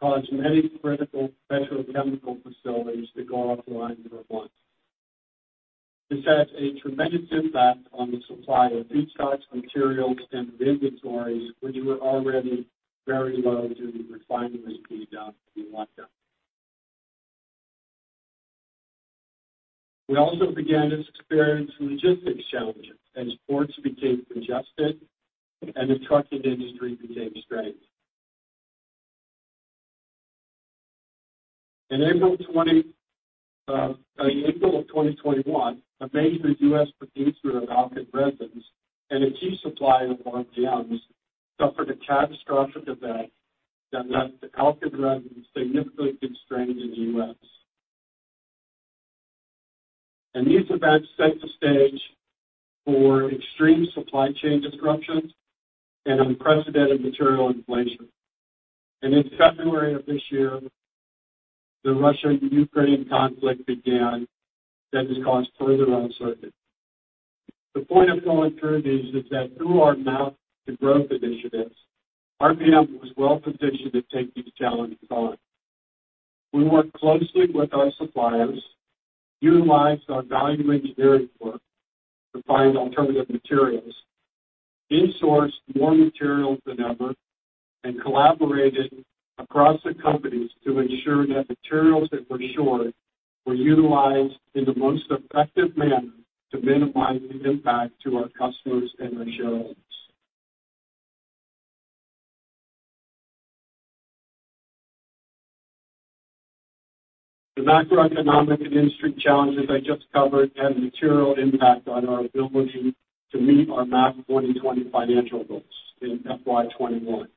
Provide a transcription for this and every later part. Causing critical petrochemical facilities to go offline for months. This has a tremendous impact on the supply of feedstock materials and inventories, which were already very low due to refinery shutdowns during lockdown. We also began to experience logistics challenges as ports became congested and the trucking industry became strained. In April 2021, a major U.S. producer of alkyd resins and a key supplier of RPM's suffered a catastrophic event that left the alkyd resin significantly constrained in the U.S. These events set the stage for extreme supply chain disruptions and unprecedented material inflation. In February of this year, the Russia-Ukraine conflict began that has caused further uncertainty. The point of going through these is that through our MAP to Growth initiatives, RPM was well-positioned to take these challenges on. We worked closely with our suppliers, utilized our value engineering work to find alternative materials, insourced more materials than ever, and collaborated across the companies to ensure that materials that were short were utilized in the most effective manner to minimize the impact to our customers and our shareholders. The macroeconomic and industry challenges I just covered had a material impact on our ability to meet our MAP 2020 financial goals in FY 2021.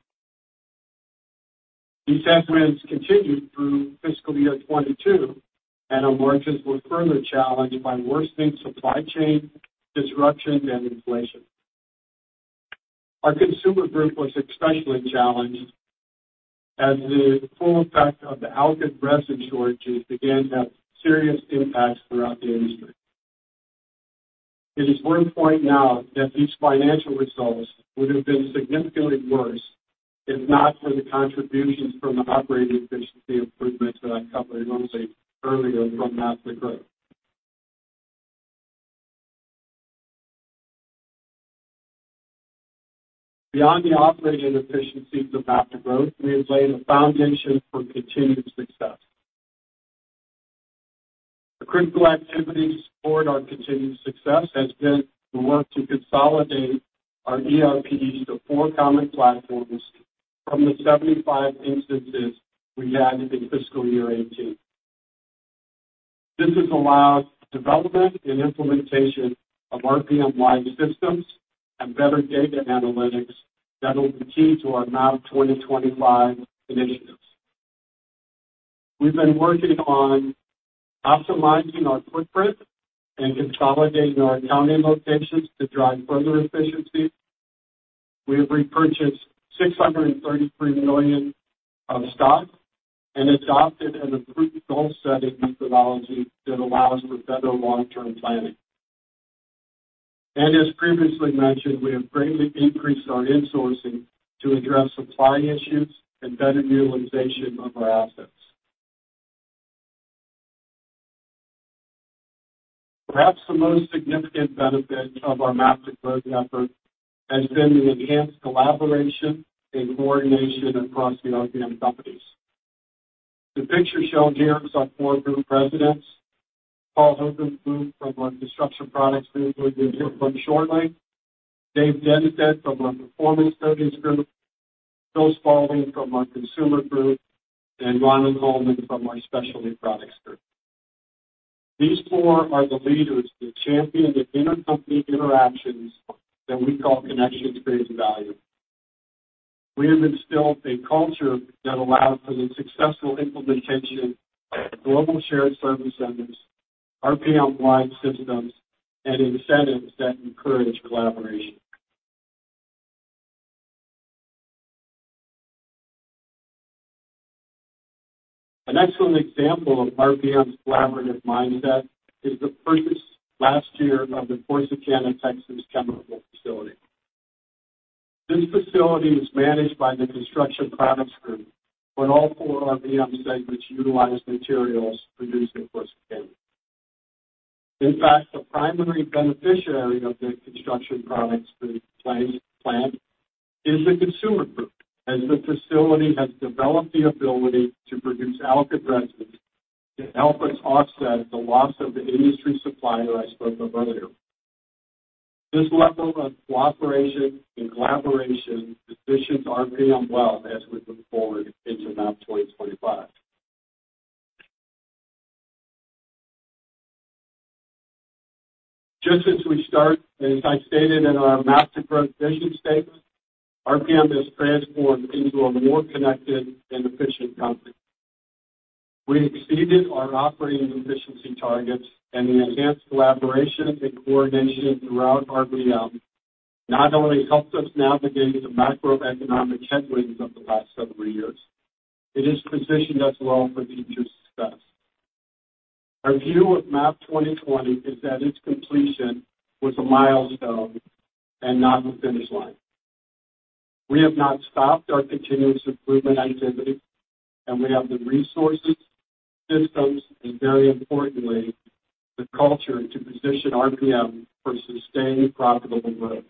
These headwinds continued through fiscal year 2022, and our margins were further challenged by worsening supply chain disruption and inflation. Our Consumer Group was especially challenged as the full effect of the alkyd resin shortages began to have serious impacts throughout the industry. It is worth pointing out that these financial results would have been significantly worse if not for the contributions from the operating efficiency improvements that I covered briefly earlier from MAP to Growth. Beyond the operating efficiencies of MAP to Growth, we have laid a foundation for continued success. The critical activity to support our continued success has been the work to consolidate our ERPs to four common platforms from the 75 instances we had in fiscal year 2018. This has allowed the development and implementation of RPM-wide systems and better data analytics that will be key to our MAP 2025 initiatives. We've been working on optimizing our footprint and consolidating our county locations to drive further efficiency. We have repurchased $633 million of stock and adopted an improved goal-setting methodology that allows for better long-term planning. As previously mentioned, we have greatly increased our insourcing to address supply issues and better utilization of our assets. Perhaps the most significant benefit of our MAP to Growth effort has been the enhanced collaboration and coordination across the RPM companies. The picture shown here is our four group presidents, Paul Hoogenboom's group from our Construction Products Group, we'll hear from shortly, Dave Dennsteadt from our Performance Coatings Group, Bill Spaulding from our Consumer Group, and Ronnie Holman from our Specialty Products Group. These four are the leaders that champion the intercompany interactions that we call Connections Creating Value. We have instilled a culture that allows for the successful implementation of global shared service centers, RPM-wide systems, and incentives that encourage collaboration. An excellent example of RPM's collaborative mindset is the purchase last year of the Corsicana, Texas, chemical facility. This facility is managed by the Construction Products Group, but all four RPM segments utilize materials produced in Corsicana. In fact, the primary beneficiary of the Construction Products Group plant is the Consumer Group, as the facility has developed the ability to produce alkyd resins to help us offset the loss of the industry supplier I spoke of earlier. This level of cooperation and collaboration positions RPM well as we look forward into MAP 2025. Just as we start, as I stated in our MAP to Growth vision statement, RPM has transformed into a more connected and efficient company. We exceeded our operating efficiency targets, and the enhanced collaboration and coordination throughout RPM not only helped us navigate the macroeconomic headwinds of the last several years, it has positioned us well for future success. Our view of MAP 2020 is that its completion was a milestone and not the finish line. We have not stopped our continuous improvement activity, and we have the resources, systems, and very importantly, the culture to position RPM for sustained profitable growth.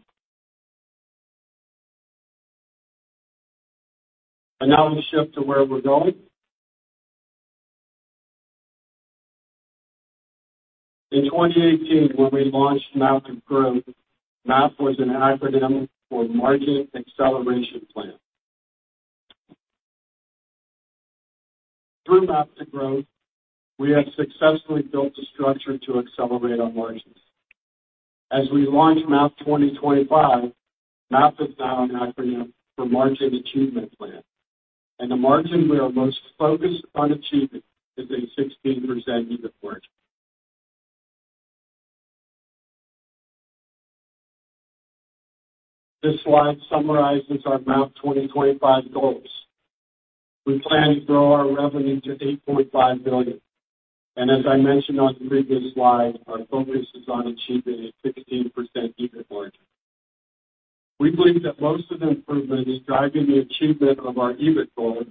Now we shift to where we're going. In 2018, when we launched MAP to Growth, MAP was an acronym for Margin Acceleration Plan. Through MAP to Growth, we have successfully built a structure to accelerate our margins. As we launch MAP 2025, MAP is now an acronym for Margin Achievement Plan, and the margin we are most focused on achieving is a 16% EBIT margin. This slide summarizes our MAP 2025 goals. We plan to grow our revenue to $8.5 billion. As I mentioned on the previous slide, our focus is on achieving a 16% EBIT margin. We believe that most of the improvement is driving the achievement of our EBIT goal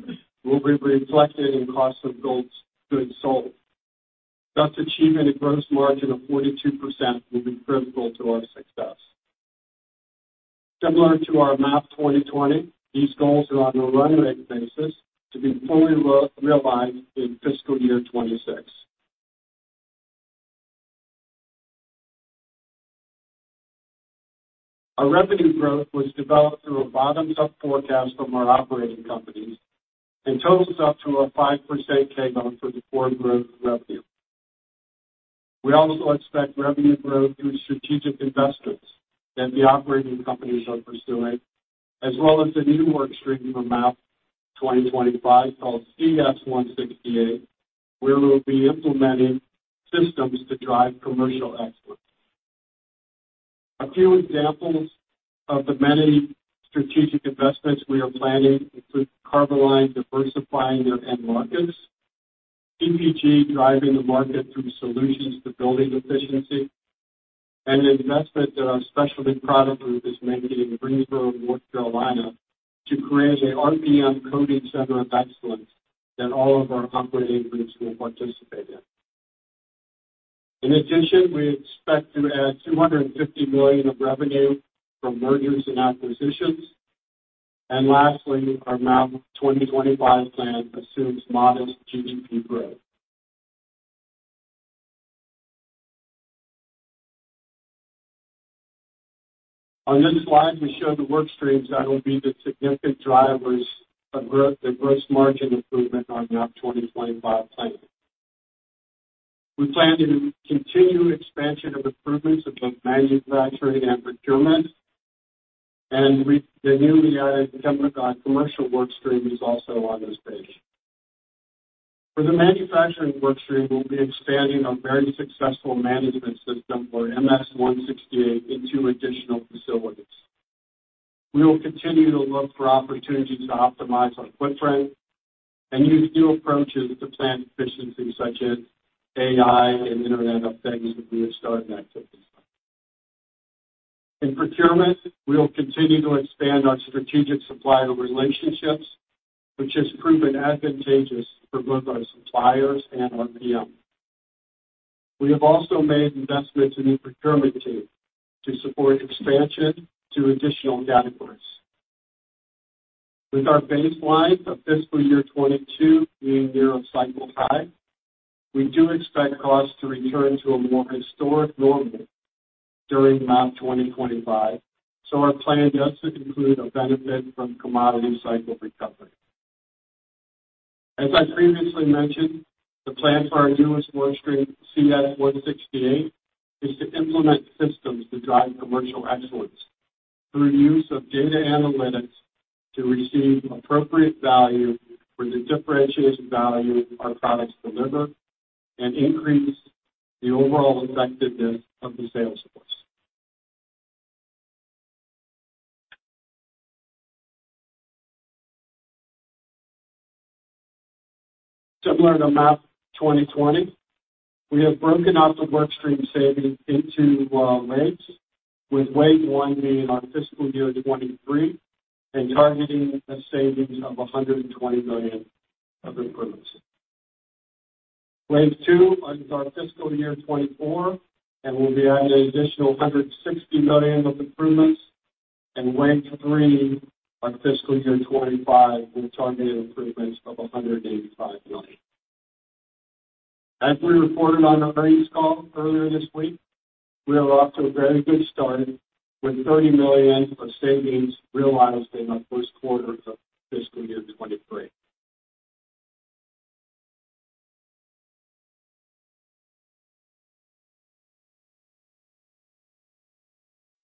will be reflected in cost of goods sold. Thus, achieving a gross margin of 42% will be critical to our success. Similar to our MAP 2020, these goals are on a run rate basis to be fully re-realized in fiscal year 2026. Our revenue growth was developed through a bottoms-up forecast from our operating companies and totals up to a 5% CAGR for the core growth revenue. We also expect revenue growth through strategic investments that the operating companies are pursuing, as well as a new work stream for MAP 2025 called CS 168, where we'll be implementing systems to drive commercial excellence. A few examples of the many strategic investments we are planning include Carboline diversifying their end markets, CPG driving the market through solutions to building efficiency, and investment that our Specialty Products Group is making in Greensboro, North Carolina, to create a RPM coating center of excellence that all of our operating groups will participate in. In addition, we expect to add $250 million of revenue from mergers and acquisitions. Lastly, our MAP 2025 plan assumes modest GDP growth. On this slide, we show the work streams that will be the significant drivers of gross margin improvement on MAP 2025 plan. We plan to continue expansion of improvements of both manufacturing and procurement. The newly added commercial work stream is also on this page. For the manufacturing work stream, we'll be expanding our very successful management system for MS-168 in two additional facilities. We will continue to look for opportunities to optimize our footprint and use new approaches to plant efficiency such as AI and Internet of Things that we have started activities on. In procurement, we will continue to expand our strategic supplier relationships, which has proven advantageous for both our suppliers and RPM. We have also made investments in new procurement team to support expansion to additional categories. With our baseline of fiscal year 2022 being year of cycle five, we do expect costs to return to a more historic normal during MAP 2025. Our plan does include a benefit from commodity cycle recovery. As I previously mentioned, the plan for our newest work stream, CS 168, is to implement systems to drive commercial excellence through use of data analytics to receive appropriate value for the differentiation value our products deliver and increase the overall effectiveness of the sales force. Similar to MAP 2020, we have broken out the work stream savings into waves, with wave one being our fiscal year 2023 and targeting a savings of $120 million of improvements. Wave two is our fiscal year 2024, and we'll be adding an additional $160 million of improvements. Wave three, our fiscal year 2025, we're targeting improvements of $185 million. As we reported on the earnings call earlier this week, we are off to a very good start with $30 million of savings realized in the first quarter of fiscal year 2023.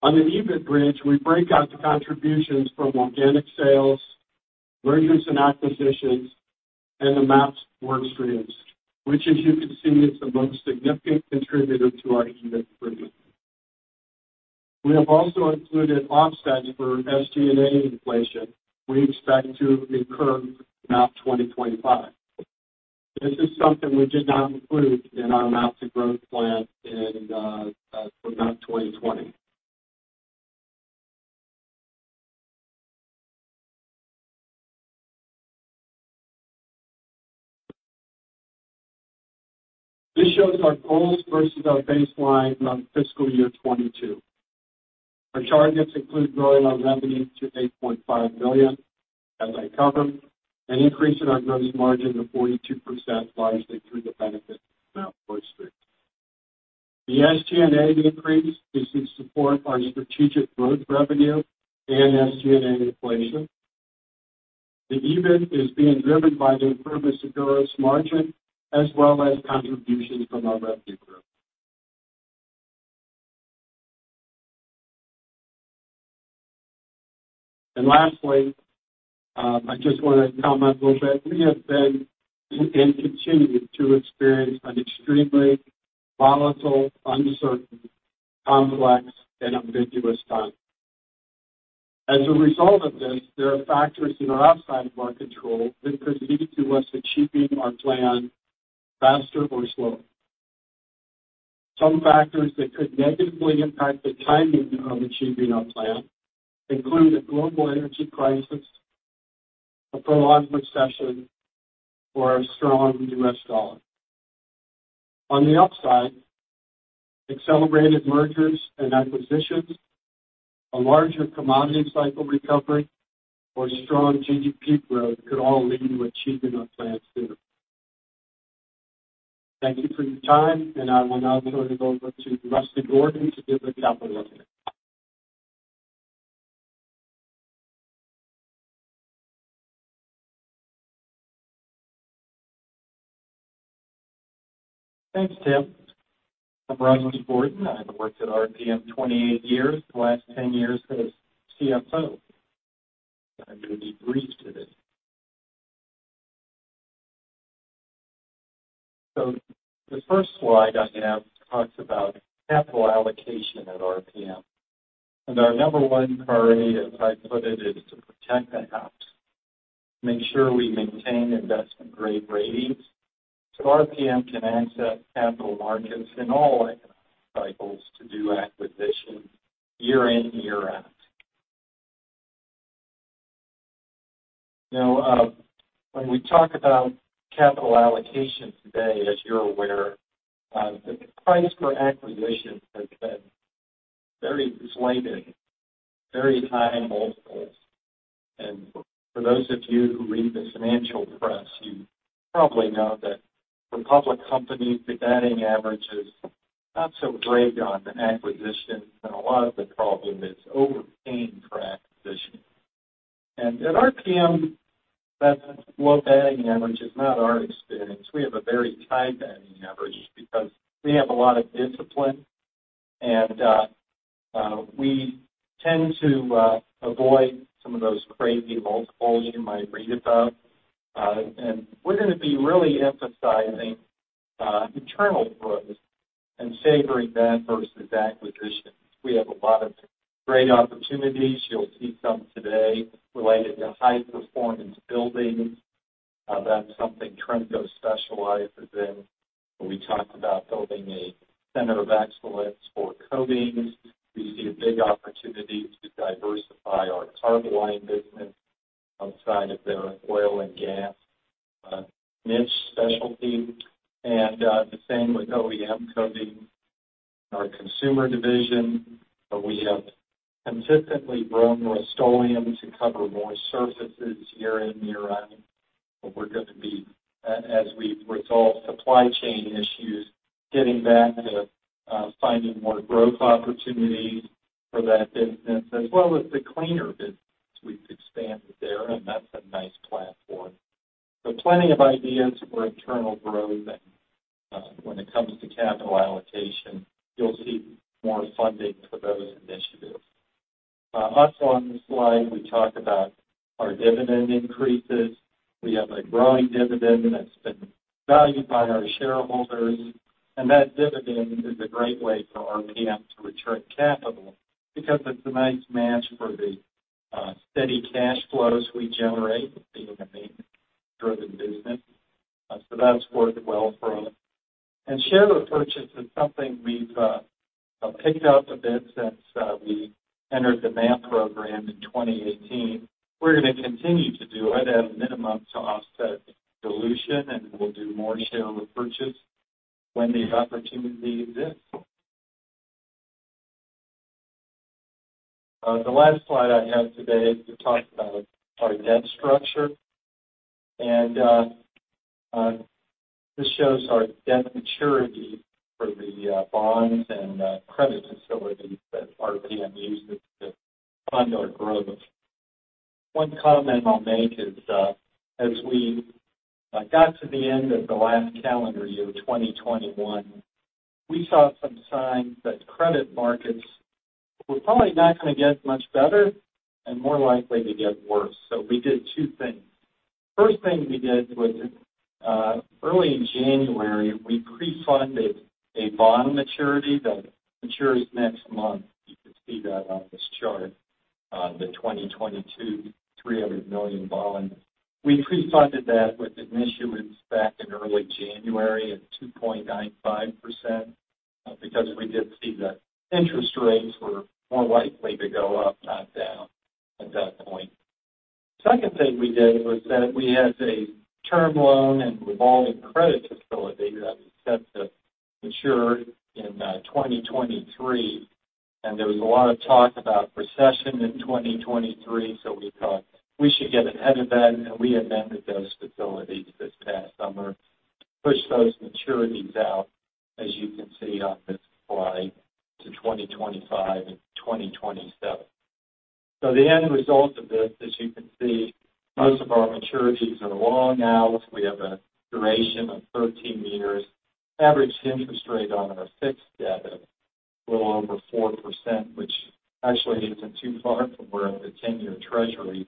On an EBIT bridge, we break out the contributions from organic sales, mergers and acquisitions, and the MAP work streams, which as you can see, is the most significant contributor to our EBIT improvement. We have also included offsets for SG&A inflation we expect to incur in MAP 2025. This is something we did not include in our MAP to Growth plan for MAP 2020. This shows our goals versus our baseline on fiscal year 2022. Our targets include growing our revenue to $8.5 million, as I covered, an increase in our gross margin to 42%, largely through the benefit of MAP plus three. The SG&A decrease is in support of our strategic growth revenue and SG&A inflation. The EBIT is being driven by the improved Securus margin as well as contributions from our revenue group. Lastly, I just wanna comment a little bit. We have been, and continue to experience an extremely volatile, uncertain, complex, and ambiguous time. As a result of this, there are factors that are outside of our control that could lead to us achieving our plan faster or slower. Some factors that could negatively impact the timing of achieving our plan include a global energy crisis, a prolonged recession, or a strong U.S. dollar. On the upside, accelerated mergers and acquisitions, a larger commodity cycle recovery, or strong GDP growth could all lead to achieving our plans sooner. Thank you for your time, and I will now turn it over to Russel Gordon to give the capital update. Thanks, Tim. I'm Russell Gordon. I have worked at RPM 28 years, the last 10 years as CFO. I'm gonna be brief today. The first slide I have talks about capital allocation at RPM, and our number one priority, as I put it, is to protect the house, make sure we maintain investment-grade ratings so RPM can access capital markets in all economic cycles to do acquisitions year in, year out. Now, when we talk about capital allocation today, as you're aware, the price for acquisitions has been very inflated, very high multiples. For those of you who read the financial press, you probably know that for public companies, the batting average is not so great on acquisitions, and a lot of the problem is overpaying for acquisitions. At RPM, that low batting average is not our experience. We have a very high batting average because we have a lot of discipline, and we tend to avoid some of those crazy multiples you might read about. We're gonna be really emphasizing internal growth and savoring that versus acquisitions. We have a lot of great opportunities. You'll see some today related to high-performance buildings. That's something Tremco specializes in. We talked about building a center of excellence for coatings. We see a big opportunity to diversify our tar line business outside of their oil and gas niche specialty. The same with OEM coating. Our consumer division, we have consistently grown Rust-Oleum to cover more surfaces year in, year out. We're gonna be as we resolve supply chain issues, getting back to finding more growth opportunities for that business, as well as the cleaner business. We've expanded there, and that's a nice platform. Plenty of ideas for internal growth. When it comes to capital allocation, you'll see more funding for those initiatives. Also on this slide, we talk about our dividend increases. We have a growing dividend that's been valued by our shareholders, and that dividend is a great way for RPM to return capital because it's a nice match for the steady cash flows we generate being a maintenance-driven business. That's worked well for us. Share repurchase is something we've picked up a bit since we entered the MAP program in 2018. We're gonna continue to do it at a minimum to offset dilution, and we'll do more share repurchase when the opportunity exists. The last slide I have today is to talk about our debt structure. This shows our debt maturity for the bonds and credit facilities that RPM uses to fund our growth. One comment I'll make is, as we got to the end of the last calendar year, 2021, we saw some signs that credit markets were probably not gonna get much better and more likely to get worse. We did two things. First thing we did was, early in January, we pre-funded a bond maturity that matures next month. You can see that on this chart, the 2022 $300 million bond. We pre-funded that with an issuance back in early January at 2.95%, because we did see that interest rates were more likely to go up, not down at that point. Second thing we did was that we had a term loan and revolving credit facility that was set to mature in 2023, and there was a lot of talk about recession in 2023, so we thought we should get ahead of that. We amended those facilities this past summer to push those maturities out, as you can see on this slide, to 2025 and 2027. The end result of this, as you can see, most of our maturities are long now. We have a duration of 13 years. Average interest rate on our fixed debt is a little over 4%, which actually isn't too far from where the 10-year treasury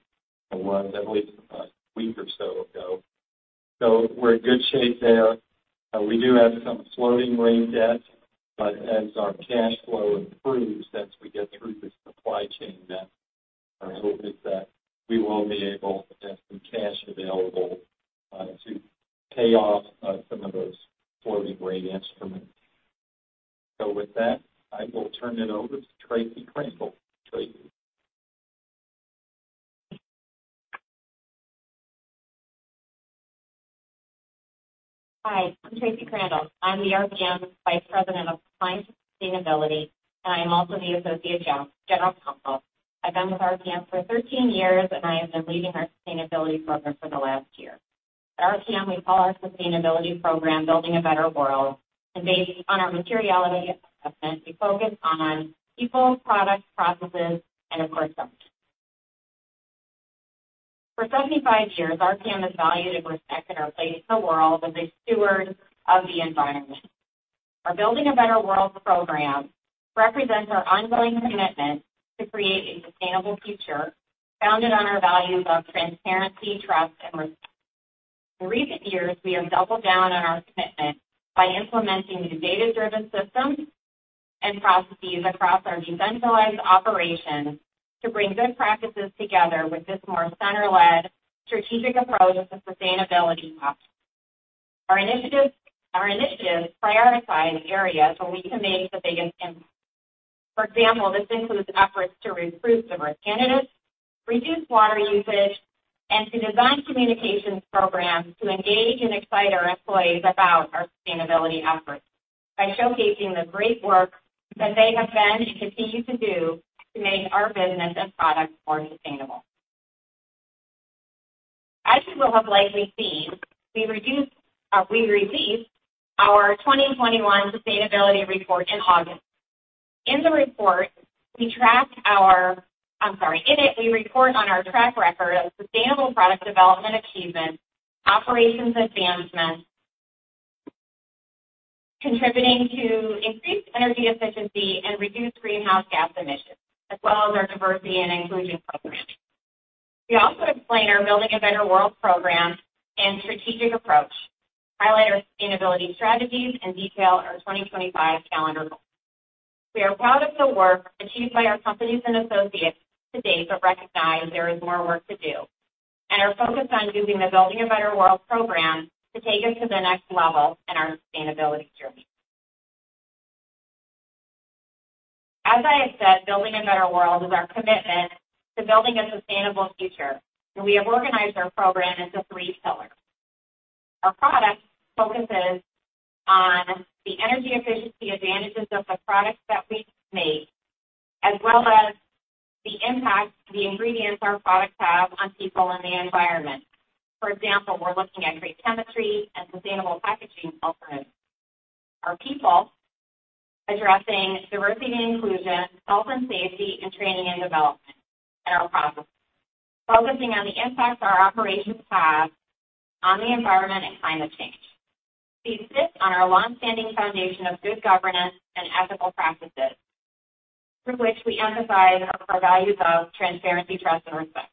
was, at least a week or so ago. We're in good shape there. We do have some floating rate debt, but as our cash flow improves as we get through this supply chain debt, our hope is that we will be able to have some cash available, to pay off, some of those floating rate instruments. With that, I will turn it over to Tracy Crandall. Tracy? Hi, I'm Tracy Crandall. I'm the RPM Vice President of Compliance and Sustainability, and I am also the Associate General Counsel. I've been with RPM for 13 years, and I have been leading our sustainability program for the last year. At RPM, we call our sustainability program Building a Better World, and based on our materiality assessment, we focus on people, products, processes, and of course, customers. For 75 years, RPM has valued and respected our place in the world as a steward of the environment. Our Building a Better World program represents our ongoing commitment to create a sustainable future founded on our values of transparency, trust, and respect. In recent years, we have doubled down on our commitment by implementing new data-driven systems and processes across our decentralized operations to bring good practices together with this more center-led strategic approach of the sustainability office. Our initiatives prioritize areas where we can make the biggest impact. For example, this includes efforts to recruit diverse candidates, reduce water usage, and to design communications programs to engage and excite our employees about our sustainability efforts by showcasing the great work that they have done and continue to do to make our business and products more sustainable. As you will have likely seen, we released our 2021 sustainability report in August. In it, we report on our track record of sustainable product development achievements, operations advancements contributing to increased energy efficiency and reduced greenhouse gas emissions, as well as our diversity and inclusion programs. We also explain our Building a Better World program and strategic approach, highlight our sustainability strategies, and detail our 2025 calendar goals. We are proud of the work achieved by our companies and associates to date, but recognize there is more work to do and are focused on using the Building a Better World program to take us to the next level in our sustainability journey. As I have said, Building a Better World is our commitment to building a sustainable future, and we have organized our program into three pillars. Our products focuses on the energy efficiency advantages of the products that we make, as well as the impact the ingredients our products have on people and the environment. For example, we're looking at green chemistry and sustainable packaging alternatives. Our people, addressing diversity and inclusion, health and safety, and training and development. Our processes, focusing on the impacts our operations have on the environment and climate change. These sit on our longstanding foundation of good governance and ethical practices, through which we emphasize our values of transparency, trust, and respect.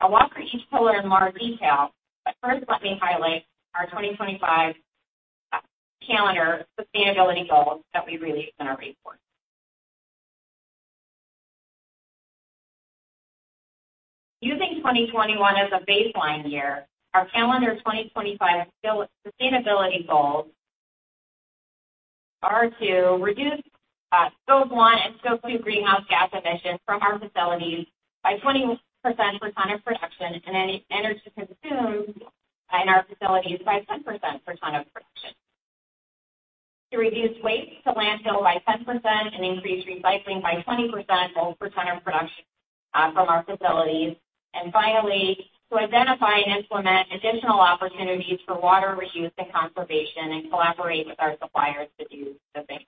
I'll walk through each pillar in more detail, but first let me highlight our 2025 calendar sustainability goals that we released in our report. Using 2021 as a baseline year, our calendar 2025 sustainability goals are to reduce Scope one and Scope two greenhouse gas emissions from our facilities by 20% per ton of production and any energy consumed in our facilities by 10% per ton of production. To reduce waste to landfill by 10% and increase recycling by 20%, both per ton of production, from our facilities. Finally, to identify and implement additional opportunities for water reuse and conservation and collaborate with our suppliers to do the same.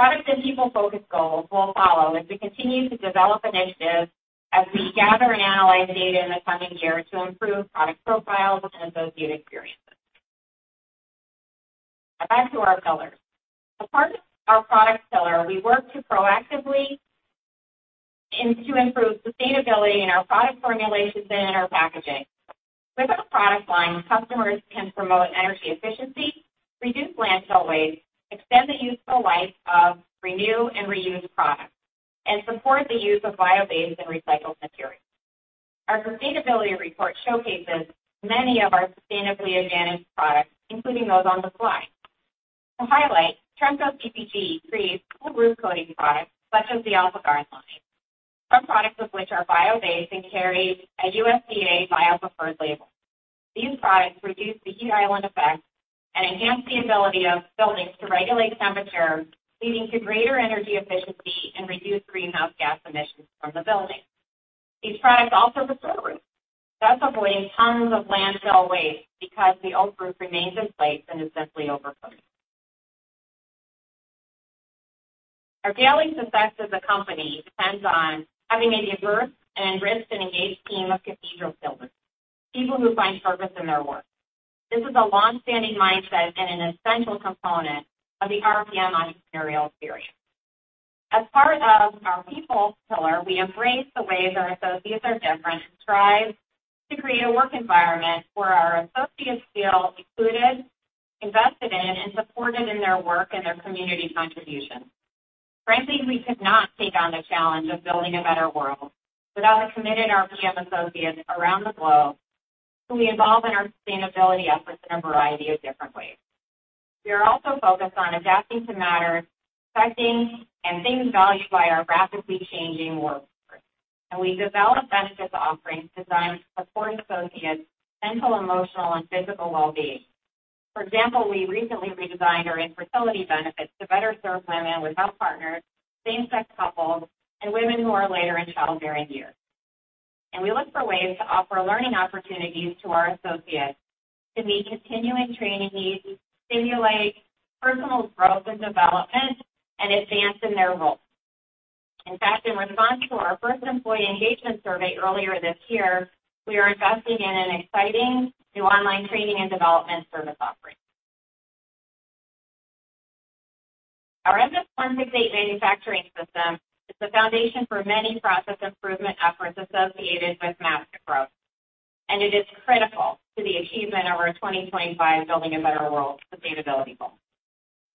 Product and people-focused goals will follow as we continue to develop initiatives as we gather and analyze data in the coming years to improve product profiles and associate experiences. Back to our pillars. As part of our product pillar, we work to proactively and to improve sustainability in our product formulations and in our packaging. With our product line, customers can promote energy efficiency, reduce landfill waste, extend the useful life of renew and reuse products, and support the use of bio-based and recycled materials. Our sustainability report showcases many of our sustainability advantage products, including those on the slide. To highlight, Tremco CPG creates cool roof coating products such as the AlphaGuard line, some products of which are bio-based and carry a USDA BioPreferred label. These products reduce the heat island effect and enhance the ability of buildings to regulate temperature, leading to greater energy efficiency and reduced greenhouse gas emissions from the building. These products also preserve roofs, thus avoiding tons of landfill waste because the old roof remains in place and is simply overcoated. Our daily success as a company depends on having a diverse and enriched and engaged team of cathedral builders, people who find purpose in their work. This is a long-standing mindset and an essential component of the RPM entrepreneurial spirit. As part of our people pillar, we embrace the ways our associates are different and strive to create a work environment where our associates feel included, invested in, and supported in their work and their community contributions. Frankly, we could not take on the challenge of Building a Better World without the committed RPM associates around the globe who we involve in our sustainability efforts in a variety of different ways. We are also focused on adapting to matters affecting and being valued by our rapidly changing workforce, and we develop benefits offerings designed to support associates' mental, emotional, and physical well-being. For example, we recently redesigned our infertility benefits to better serve women without partners, same-sex couples, and women who are later in childbearing years. We look for ways to offer learning opportunities to our associates to meet continuing training needs, stimulate personal growth and development, and advance in their roles. In fact, in response to our first employee engagement survey earlier this year, we are investing in an exciting new online training and development service offering. Our MS-168 manufacturing system is the foundation for many process improvement efforts associated with MAP to Growth, and it is critical to the achievement of our 2025 Building a Better World sustainability goal.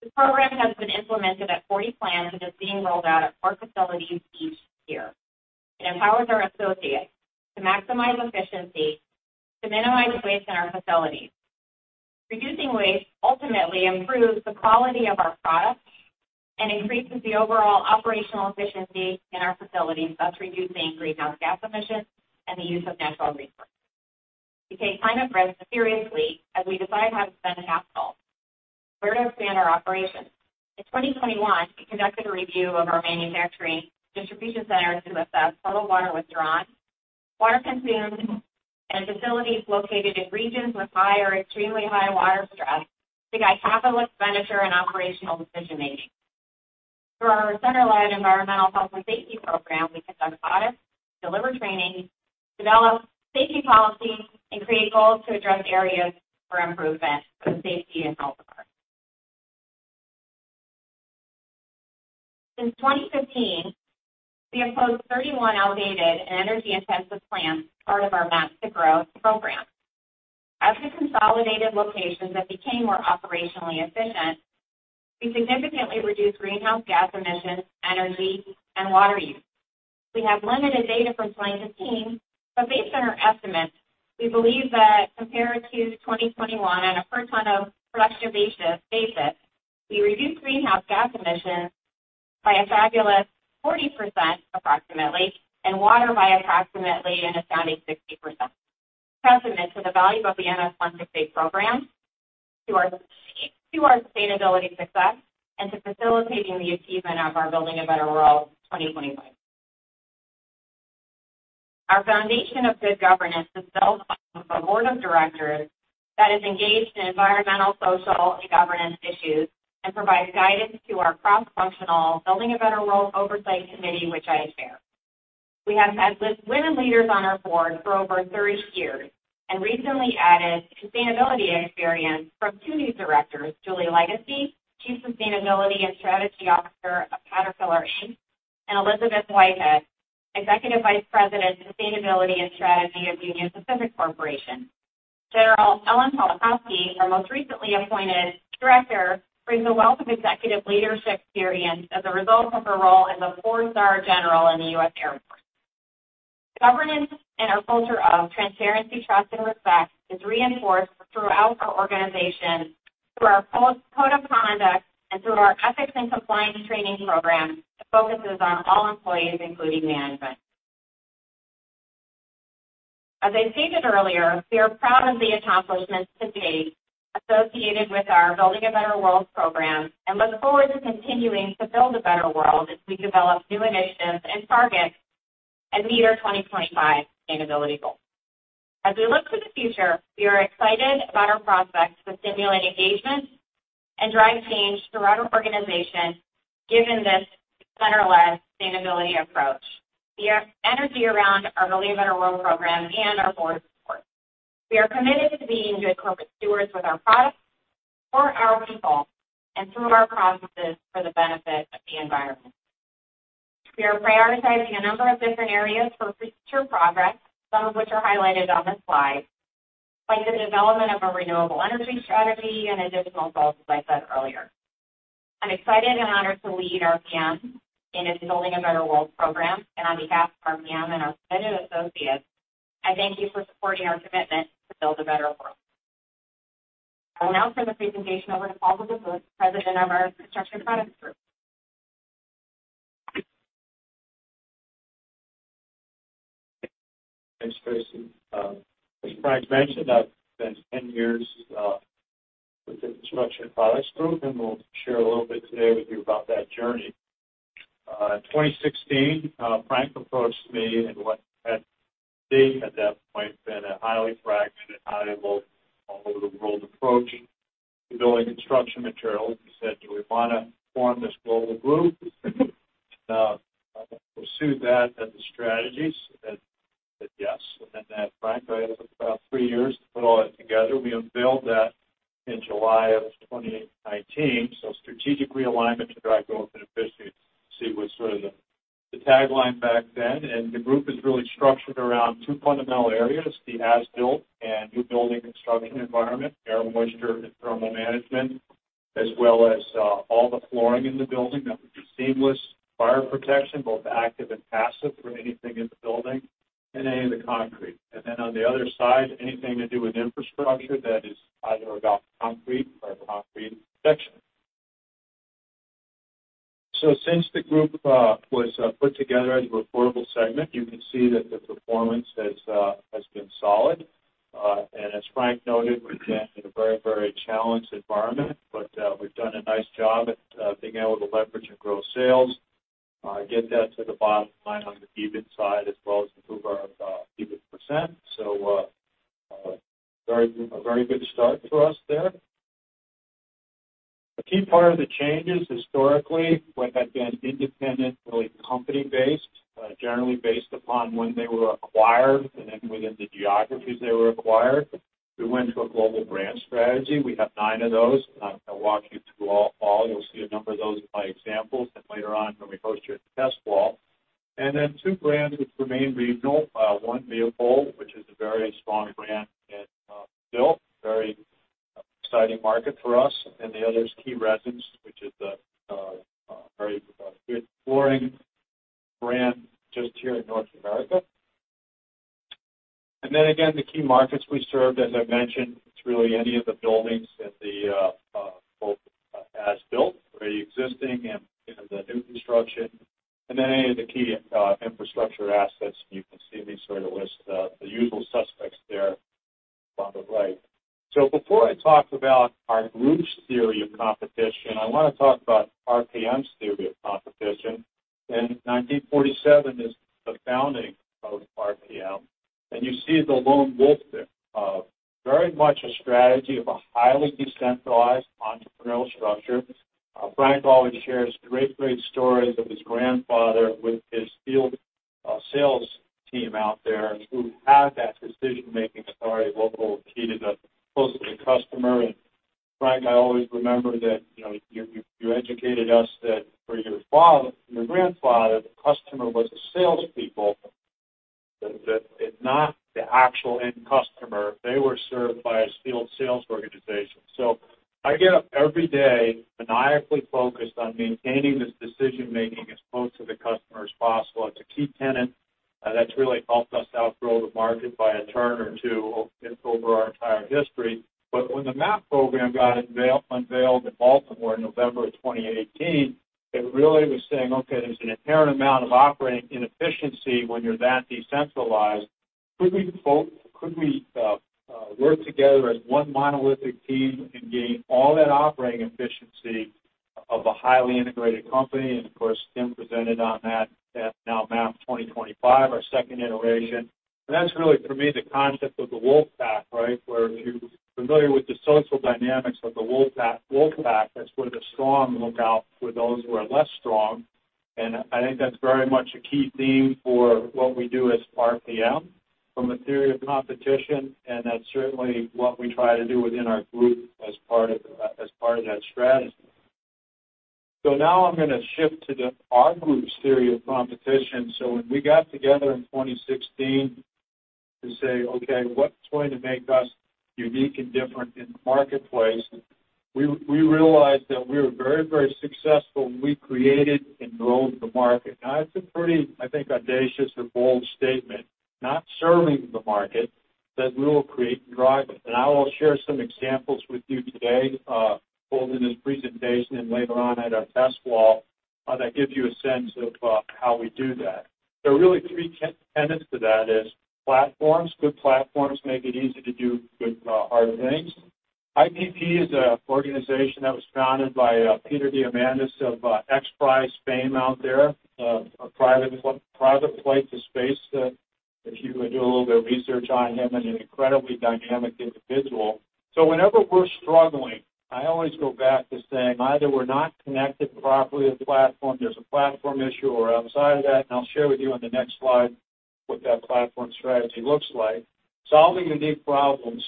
The program has been implemented at 40 plants and is being rolled out at four facilities each year. It empowers our associates to maximize efficiency, to minimize waste in our facilities. Reducing waste ultimately improves the quality of our products and increases the overall operational efficiency in our facilities, thus reducing greenhouse gas emissions and the use of natural resources. We take climate risk seriously as we decide how to spend capital, where to expand our operations. In 2021, we conducted a review of our manufacturing distribution centers to assess total water withdrawn, water consumed in facilities located in regions with high or extremely high water stress to guide capital expenditure and operational decision making. Through our center-led environmental health and safety program, we conduct audits, deliver training, develop safety policies, and create goals to address areas for improvement for safety and health. Since 2015, we have closed 31 outdated and energy-intensive plants as part of our MAP to Growth program. As we consolidated locations that became more operationally efficient, we significantly reduced greenhouse gas emissions, energy, and water use. We have limited data from 2015, but based on our estimates, we believe that compared to 2021 on a per ton of production-based basis, we reduced greenhouse gas emissions by a fabulous 40% approximately, and water by approximately an astounding 60%. Testament to the value of the MS-168 program to our sustainability success and to facilitating the achievement of our Building a Better World 2025. Our foundation of good governance is built upon a board of directors that is engaged in environmental, social, and governance issues and provides guidance to our cross-functional Building a Better World oversight committee, which I chair. We have had women leaders on our board for over 30 years and recently added sustainability experience from two new directors, Julie Lagacy, Chief Sustainability and Strategy Officer of Caterpillar Inc., and Elizabeth Whited, Executive Vice President, Sustainability and Strategy of Union Pacific Corporation. General Ellen Pawlikowski, our most recently appointed director, brings a wealth of executive leadership experience as a result of her role as a four-star general in the U.S. Air Force. Governance and our culture of transparency, trust, and respect is reinforced throughout our organization through our code of conduct and through our ethics and compliance training program that focuses on all employees, including management. As I stated earlier, we are proud of the accomplishments to date associated with our Building a Better World program and look forward to continuing to build a better world as we develop new initiatives and targets and meet our 2025 sustainability goals. As we look to the future, we are excited about our prospects to stimulate engagement and drive change throughout our organization. Given this centralized sustainability approach, the energy around our Building a Better World program and our board support. We are committed to being good corporate stewards with our products, for our people, and through our processes for the benefit of the environment. We are prioritizing a number of different areas for future progress, some of which are highlighted on this slide, like the development of a renewable energy strategy and additional goals, as I said earlier. I'm excited and honored to lead RPM in its Building a Better World program. On behalf of RPM and our committed associates, I thank you for supporting our commitment to build a better world. I'll now turn the presentation over to Paul Hoogenboom, President of our Construction Products Group. Thanks, Tracy. As Frank mentioned, I've spent 10 years with the Construction Products Group, and we'll share a little bit today with you about that journey. In 2016, Frank approached me and what had been, at that point, a highly fragmented, highly all over the world approach to building construction materials. He said, "Do we wanna form this global group, pursue that and the strategies?" I said, "Yes." Then Frank, I had about three years to put all that together. We unveiled that in July 2019, so strategic realignment to drive growth and efficiency was sort of the tagline back then. The group is really structured around two fundamental areas, the as-built and new building construction environment, air, moisture and thermal management, as well as all the flooring in the building. That would be seamless fire protection, both active and passive, for anything in the building, and any of the concrete. Then on the other side, anything to do with infrastructure that is either about concrete or concrete protection. Since the group was put together as a reportable segment, you can see that the performance has been solid. As Frank noted, we're in a very, very challenged environment, but we've done a nice job at being able to leverage and grow sales, get that to the bottom line on the EBIT side, as well as improve our EBIT percent. A very good start for us there. A key part of the changes historically, what had been independent, really company-based, generally based upon when they were acquired and then within the geographies they were acquired. We went to a global brand strategy. We have nine of those. I'm gonna walk you through all. You'll see a number of those by examples, and later on when we host you at the test wall. Then two brands which remain regional. One, Viapol, which is a very strong brand in Brazil, very exciting market for us. The other is Key Resin, which is a very good flooring brand just here in North America. Then again, the key markets we serve, as I mentioned, it's really any of the buildings that are both as-built or existing and, you know, the new construction, and then any of the key infrastructure assets. You can see me sort of list the usual suspects there on the right. Before I talk about our group's theory of competition, I wanna talk about RPM's theory of competition. 1947 is the founding of RPM. You see the lone wolf there, very much a strategy of a highly decentralized entrepreneurial structure. Frank always shares great stories of his grandfather with his field sales team out there who had that decision-making authority local, close to the customer. Frank, I always remember that, you know, you educated us that for your grandfather, the customer was the salespeople, but it's not the actual end customer. They were served by his field sales organization. I get up every day maniacally focused on maintaining this decision-making as close to the customer as possible. It's a key tenet that's really helped us outgrow the market by a turn or two over our entire history. When the MAP program got unveiled in Baltimore in November of 2018, it really was saying, okay, there's an inherent amount of operating inefficiency when you're that decentralized. Could we work together as one monolithic team and gain all that operating efficiency of a highly integrated company? Of course, Tim presented on that at our MAP 2025, our second iteration. That's really, for me, the concept of the wolf pack, right? Where if you're familiar with the social dynamics of the wolf pack, that's where the strong look out for those who are less strong. I think that's very much a key theme for what we do as RPM from a theory of competition, and that's certainly what we try to do within our group as part of that strategy. Now I'm gonna shift to our group's theory of competition. When we got together in 2016 to say, okay, what's going to make us unique and different in the marketplace? We realized that we were very, very successful, and we created and drove the market. Now, that's a pretty, I think, audacious or bold statement, not serving the market, that we will create and drive it. I will share some examples with you today, both in this presentation and later on at our test wall, that gives you a sense of how we do that. There are really three tenets to that is platforms. Good platforms make it easy to do good, hard things. IPP is a organization that was founded by Peter Diamandis of XPRIZE fame out there, a private flight to space. If you would do a little bit of research on him and an incredibly dynamic individual. Whenever we're struggling, I always go back to saying either we're not connected properly to the platform, there's a platform issue, or outside of that, and I'll share with you on the next slide what that platform strategy looks like. Solving unique problems.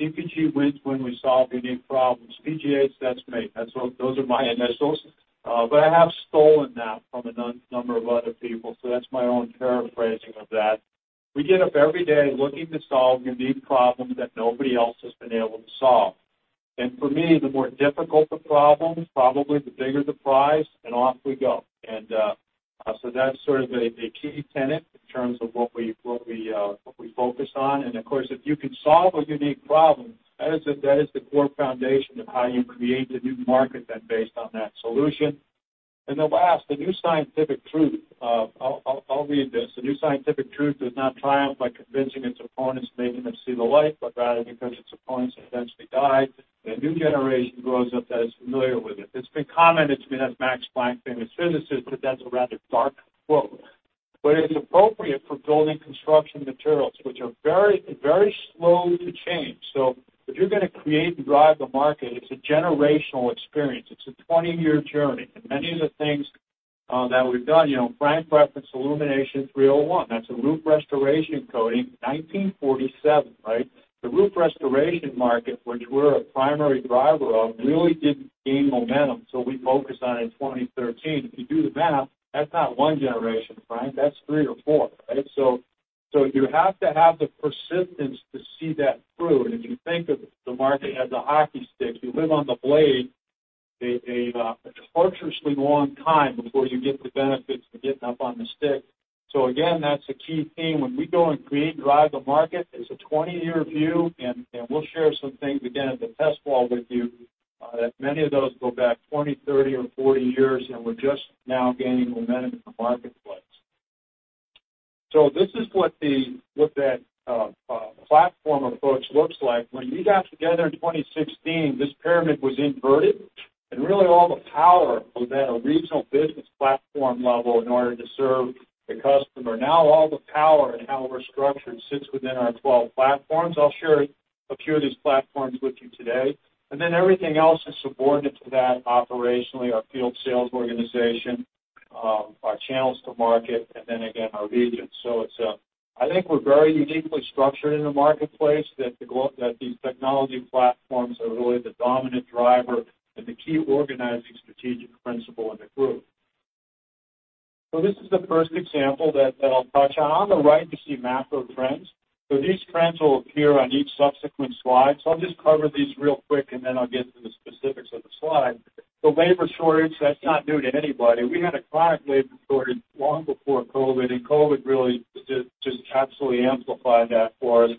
CPG wins when we solve unique problems. PGH, that's me. Those are my initials. But I have stolen that from a number of other people, so that's my own paraphrasing of that. We get up every day looking to solve unique problems that nobody else has been able to solve. For me, the more difficult the problem, probably the bigger the prize, and off we go. That's sort of a key tenet in terms of what we focus on. Of course, if you can solve a unique problem, that is the core foundation of how you create the new market then based on that solution. Then last, the new scientific truth. I'll read this. The new scientific truth does not triumph by convincing its opponents, making them see the light, but rather because its opponents eventually die, and a new generation grows up that is familiar with it. It's been commented to me that's Max Planck, famous physicist, but that's a rather dark quote. It's appropriate for building construction materials, which are very, very slow to change. If you're gonna create and drive the market, it's a generational experience. It's a 20-year journey. Many of the things that we've done, you know, Frank referenced Alumanation 301. That's a roof restoration coating, 1947, right? The roof restoration market, which we're a primary driver of, really didn't gain momentum till we focused on it in 2013. If you do the math, that's not one generation, Frank, that's three or four, right? You have to have the persistence to see that through. If you think of the market as a hockey stick, you live on the blade a torturously long time before you get the benefits of getting up on the stick. Again, that's a key theme. When we go and create and drive the market, it's a 20-year view, and we'll share some things again at the test wall with you, that many of those go back 20, 30, or 40 years, and we're just now gaining momentum in the marketplace. This is what that platform approach looks like. When we got together in 2016, this pyramid was inverted, and really all the power was at a regional business platform level in order to serve the customer. Now all the power and how we're structured sits within our 12 platforms. I'll share a few of these platforms with you today. Then everything else is subordinate to that operationally, our field sales organization, our channels to market, and then again, our regions. It is, I think we're very uniquely structured in the marketplace, that these technology platforms are really the dominant driver and the key organizing strategic principle in the group. This is the first example that I'll touch on. On the right, you see macro trends. These trends will appear on each subsequent slide. I'll just cover these real quick, and then I'll get to the specifics of the slide. The labor shortage, that's not new to anybody. We had a chronic labor shortage long before COVID, and COVID really just absolutely amplified that for us.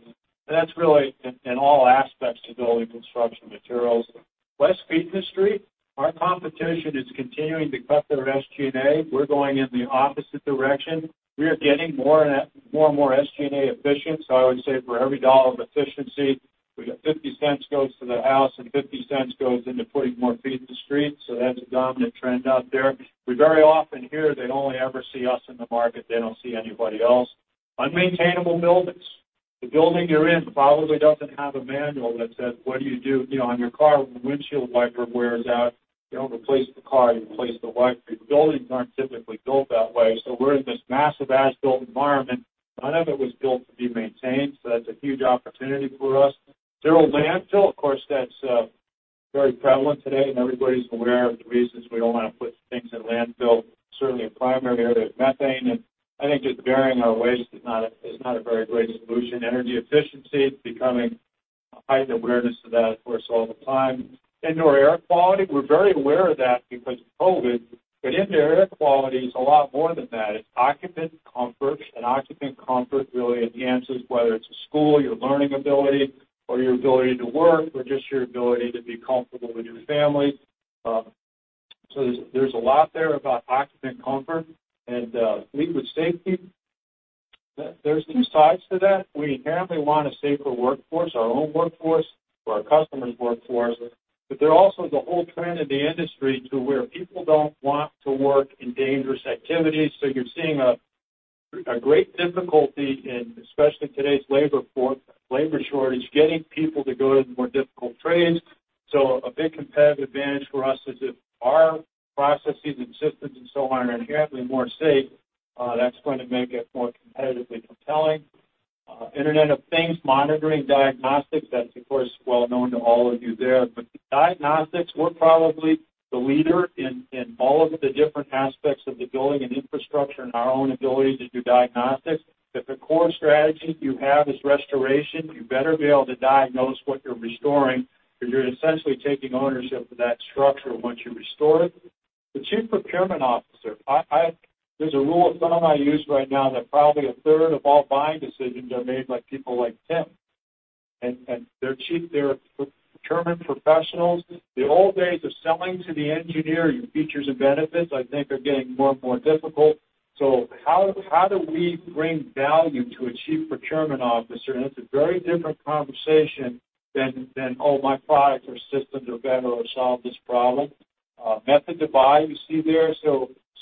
That's really in all aspects of building construction materials. Less feet in the street. Our competition is continuing to cut their SG&A. We're going in the opposite direction. We are getting more and more SG&A efficient. I would say for every dollar of efficiency, we got $0.50 goes to the house and $0.50 goes into putting more feet in the street. That's a dominant trend out there. We very often hear they only ever see us in the market. They don't see anybody else. Unmaintainable buildings. The building you're in probably doesn't have a manual that says, what do you do? You know, on your car, when the windshield wiper wears out, you don't replace the car, you replace the wiper. Buildings aren't typically built that way. We're in this massive as-built environment. None of it was built to be maintained, so that's a huge opportunity for us. Zero landfill. Of course, that's very prevalent today, and everybody's aware of the reasons we don't wanna put things in landfill. Certainly a primary area of methane. I think just burying our waste is not a very great solution. Energy efficiency is becoming a heightened awareness of that, of course, all the time. Indoor air quality, we're very aware of that because of COVID. But indoor air quality is a lot more than that. It's occupant comfort, and occupant comfort really enhances whether it's a school, your learning ability, or your ability to work, or just your ability to be comfortable with your family. So there's a lot there about occupant comfort. Liquid safety. There's two sides to that. We inherently want a safer workforce, our own workforce or our customers' workforce. But there's also the whole trend in the industry to where people don't want to work in dangerous activities. You're seeing a great difficulty in, especially today's labor shortage, getting people to go to the more difficult trades. A big competitive advantage for us is if our processes and systems and so on are inherently more safe, that's going to make it more competitively compelling. Internet of Things, monitoring, diagnostics, that's of course well known to all of you there. Diagnostics, we're probably the leader in all of the different aspects of the building and infrastructure and our own ability to do diagnostics. If the core strategy you have is restoration, you better be able to diagnose what you're restoring, because you're essentially taking ownership of that structure once you restore it. The chief procurement officer. There's a rule of thumb I use right now that probably a third of all buying decisions are made by people like Tim. They're procurement professionals. The old days of selling to the engineer, your features and benefits, I think are getting more and more difficult. How do we bring value to a chief procurement officer? It's a very different conversation than "Oh, my products or systems are better or solve this problem." Method to buy you see there.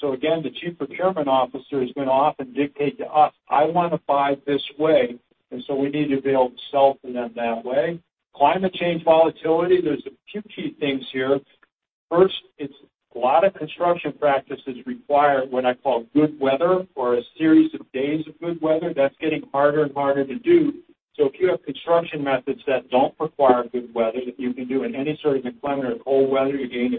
Again, the chief procurement officer is gonna often dictate to us, I wanna buy this way, and we need to be able to sell to them that way. Climate change volatility, there's a few key things here. First, it's a lot of construction practices require what I call good weather or a series of days of good weather. That's getting harder and harder to do. If you have construction methods that don't require good weather, that you can do in any sort of inclement or cold weather, you gain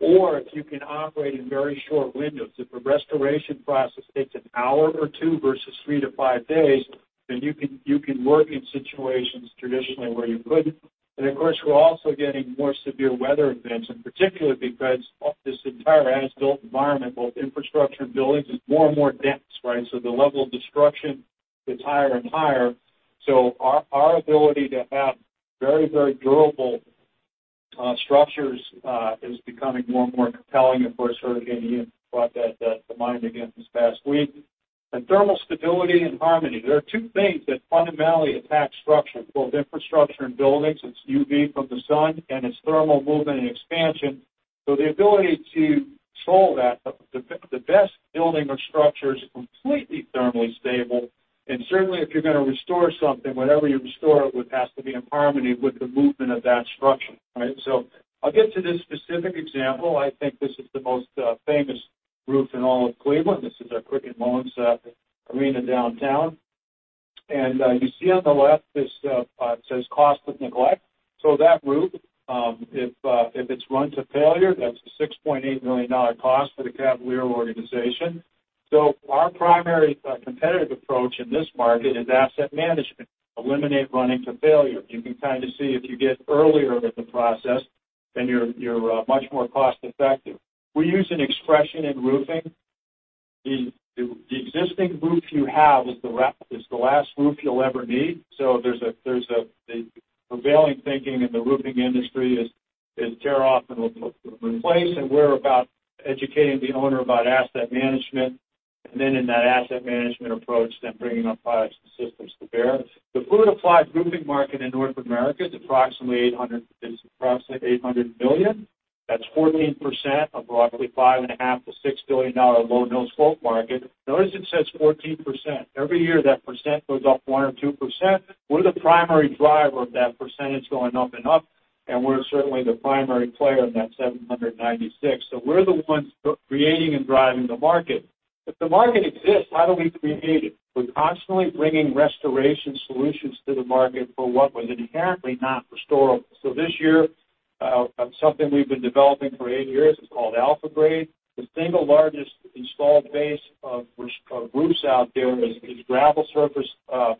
advantage. If you can operate in very short windows. If a restoration process takes an hour or two versus three to five days, then you can work in situations traditionally where you couldn't. Of course, we're also getting more severe weather events, and particularly because of this entire as-built environment, both infrastructure and buildings, is more and more dense, right? The level of destruction gets higher and higher. Our ability to have very, very durable structures is becoming more and more compelling. Of course, Hurricane Ian brought that to mind again this past week. Thermal stability and harmony. There are two things that fundamentally attack structures, both infrastructure and buildings. It's UV from the sun, and it's thermal movement and expansion. The ability to solve that, the best building or structure is completely thermally stable. Certainly if you're gonna restore something, whatever you restore, it has to be in harmony with the movement of that structure, right? I'll get to this specific example. I think this is the most famous roof in all of Cleveland. This is Quicken Loans Arena downtown. You see on the left this, it says cost of neglect. That roof, if it's run to failure, that's a $6.8 million cost for the Cavaliers organization. Our primary competitive approach in this market is asset management. Eliminate running to failure. You can kind of see if you get earlier in the process, then you're much more cost effective. We use an expression in roofing, the existing roof you have is the last roof you'll ever need. There's the prevailing thinking in the roofing industry is tear off and replace, and we're about educating the owner about asset management. Then in that asset management approach, bringing our products and systems to bear. The fluid- applied roofing market in North America is approximately $800 million. We're the primary driver of that percentage going up and up, and we're certainly the primary player in that 796. We're the ones creating and driving the market. If the market exists, how do we create it? We're constantly bringing restoration solutions to the market for what was inherently not restorable. This year, something we've been developing for eight years, it's called AlphaGuard. The single largest installed base of roofs out there is gravel surface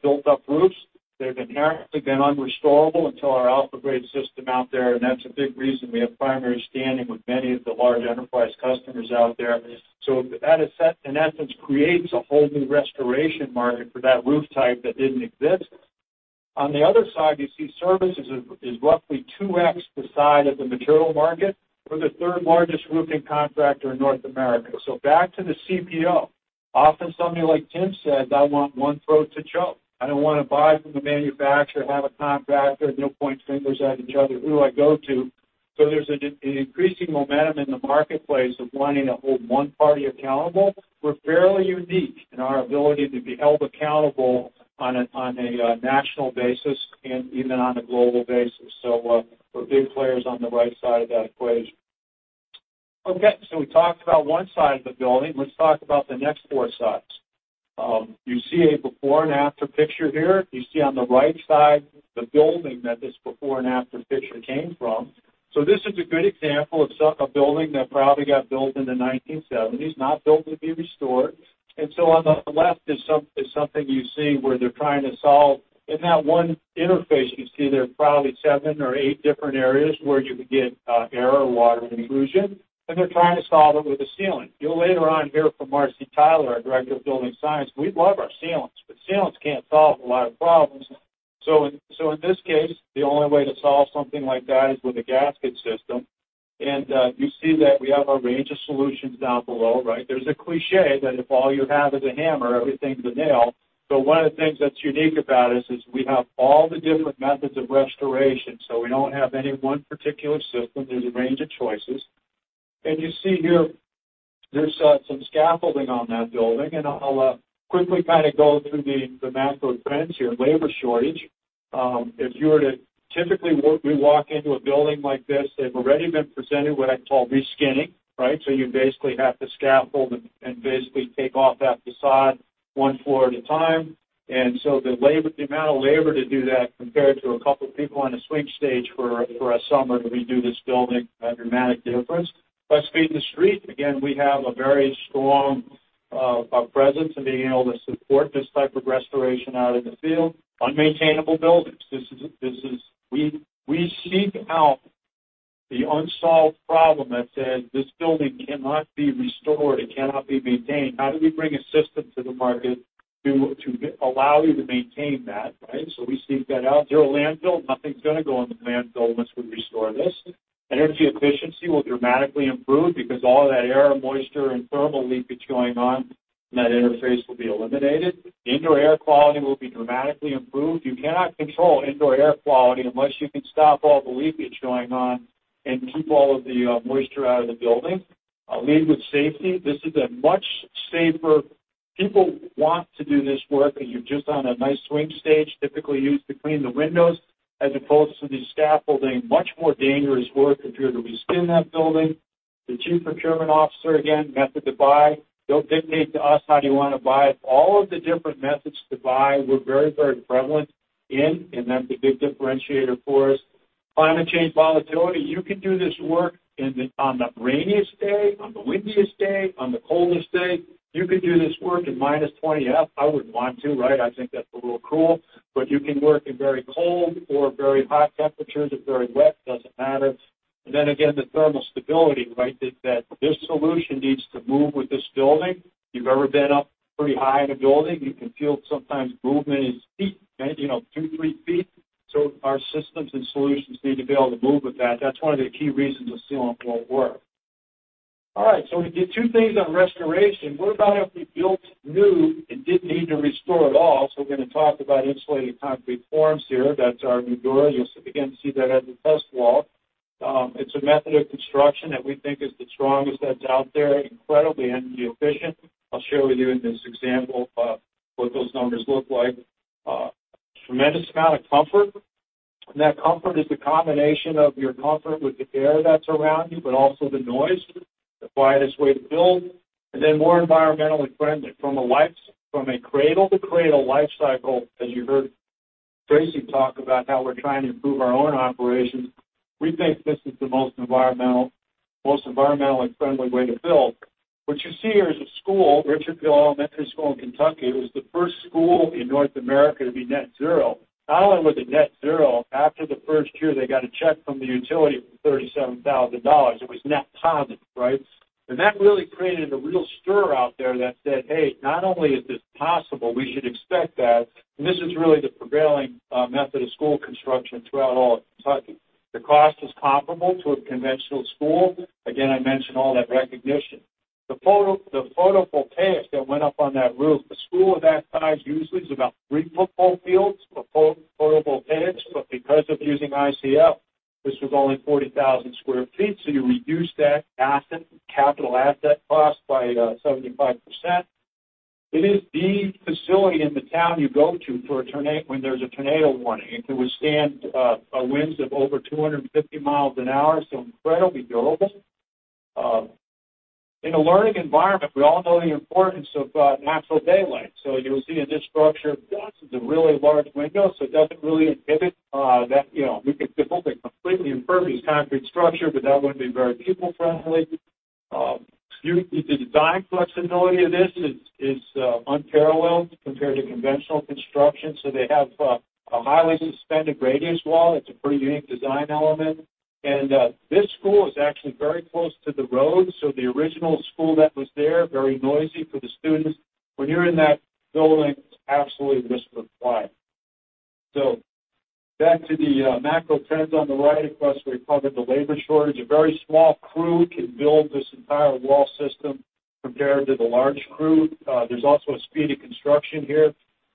built up roofs. They've inherently been unrestorable until our AlphaGuard system out there, and that's a big reason we have primary standing with many of the large enterprise customers out there. That, in essence, creates a whole new restoration market for that roof type that didn't exist. On the other side, you see services is roughly 2x the size of the material market. We're the third-largest roofing contractor in North America. Back to the CPO. Often somebody like Tim says, "I want one throat to choke. I don't wanna buy from the manufacturer, have a contractor, and they'll point fingers at each other. Who do I go to?" There's an increasing momentum in the marketplace of wanting to hold one party accountable. We're fairly unique in our ability to be held accountable on a national basis and even on a global basis. We're big players on the right side of that equation. Okay, we talked about one side of the building. Let's talk about the next four sides. You see a before -and-after picture here. You see on the right side the building that this before-and-after picture came from. This is a good example of a building that probably got built in the 1970s, not built to be restored. On the left is something you see where they're trying to solve. In that one interface, you see there are probably seven or eight different areas where you could get air or water intrusion, and they're trying to solve it with a sealant. You'll later on hear from Marcy Tyler, our Director of Building Science. We love our sealants, but sealants can't solve a lot of problems. In this case, the only way to solve something like that is with a gasket system. You see that we have a range of solutions down below, right? There's a cliché that if all you have is a hammer, everything's a nail. One of the things that's unique about us is we have all the different methods of restoration. We don't have any one particular system. There's a range of choices. You see here there's some scaffolding on that building, and I'll quickly kinda go through the macro trends here. Labor shortage. Typically, we walk into a building like this, they've already been presented what I call reskinning, right? You basically have to scaffold and basically take off that façade one floor at a time. The labor, the amount of labor to do that compared to a couple people on a swing stage for a summer to redo this building, a dramatic difference. Less feet in the street. Again, we have a very strong presence in being able to support this type of restoration out in the field. Unmaintainable buildings. We seek out the unsolved problem that says, this building cannot be restored, it cannot be maintained. How do we bring a system to the market to allow you to maintain that, right? We seek that out. Zero landfill, nothing's gonna go in the landfill unless we restore this. Energy efficiency will dramatically improve because all that air, moisture, and thermal leakage going on and that interface will be eliminated. Indoor air quality will be dramatically improved. You cannot control indoor air quality unless you can stop all the leakage going on and keep all of the moisture out of the building. Lead with safety. This is a much safer. People want to do this work, and you're just on a nice swing stage, typically used to clean the windows, as opposed to the scaffolding. Much more dangerous work if you were to reskin that building. The chief procurement officer, again, method to buy. Don't dictate to us how you wanna buy it. All of the different methods to buy, we're very, very prevalent in, and that's a big differentiator for us. Climate change volatility. You can do this work on the rainiest day, on the windiest day, on the coldest day. You can do this work in minus 20 degrees Fahrenheit. I wouldn't want to, right? I think that's a little cruel. You can work in very cold or very hot temperatures or very wet, doesn't matter. Then again, the thermal stability, right? That this solution needs to move with this building. If you've ever been up pretty high in a building, you can feel sometimes movement in its feet, right? You know, two, three feet. Our systems and solutions need to be able to move with that. That's one of the key reasons the sealant won't work. All right, we did two things on restoration. What about if we built new and didn't need to restore at all? We're gonna talk about insulated concrete forms here. That's our Nudura. You'll see that at the test wall. It's a method of construction that we think is the strongest that's out there. Incredibly energy efficient. I'll share with you in this example what those numbers look like. Tremendous amount of comfort. That comfort is the combination of your comfort with the air that's around you, but also the noise. The quietest way to build. More environmentally friendly. From a cradle to cradle life cycle, as you heard Tracy talk about how we're trying to improve our own operations, we think this is the most environmentally friendly way to build. What you see here is a school, Richard B. Allen Elementary School in Kentucky. It was the first school in North America to be net zero. Not only was it net zero, after the first year, they got a check from the utility for $37,000. It was net positive, right? That really created a real stir out there that said, "Hey, not only is this possible, we should expect that." This is really the prevailing method of school construction throughout all of Kentucky. The cost is comparable to a conventional school. Again, I mentioned all that recognition. The photovoltaics that went up on that roof, a school of that size usually is about three football fields for photovoltaics, but because of using ICF, this was only 40,000 sq ft, so you reduce that asset, capital asset cost by 75%. It is the facility in the town you go to when there's a tornado warning. It can withstand winds of over 250 miles an hour, so incredibly durable. In a learning environment, we all know the importance of natural daylight. You'll see in this structure, this is a really large window, so it doesn't really inhibit that, you know, the building's completely impervious concrete structure, but that wouldn't be very people-friendly. The design flexibility of this is unparalleled compared to conventional construction. They have a highly suspended radius wall. It's a pretty unique design element. This school is actually very close to the road, so the original school that was there, very noisy for the students. When you're in that building, it's absolute. Back to the macro trends on the right. Of course, we covered the labor shortage. A very small crew can build this entire wall system compared to the large crew. There's also a speed of construction here,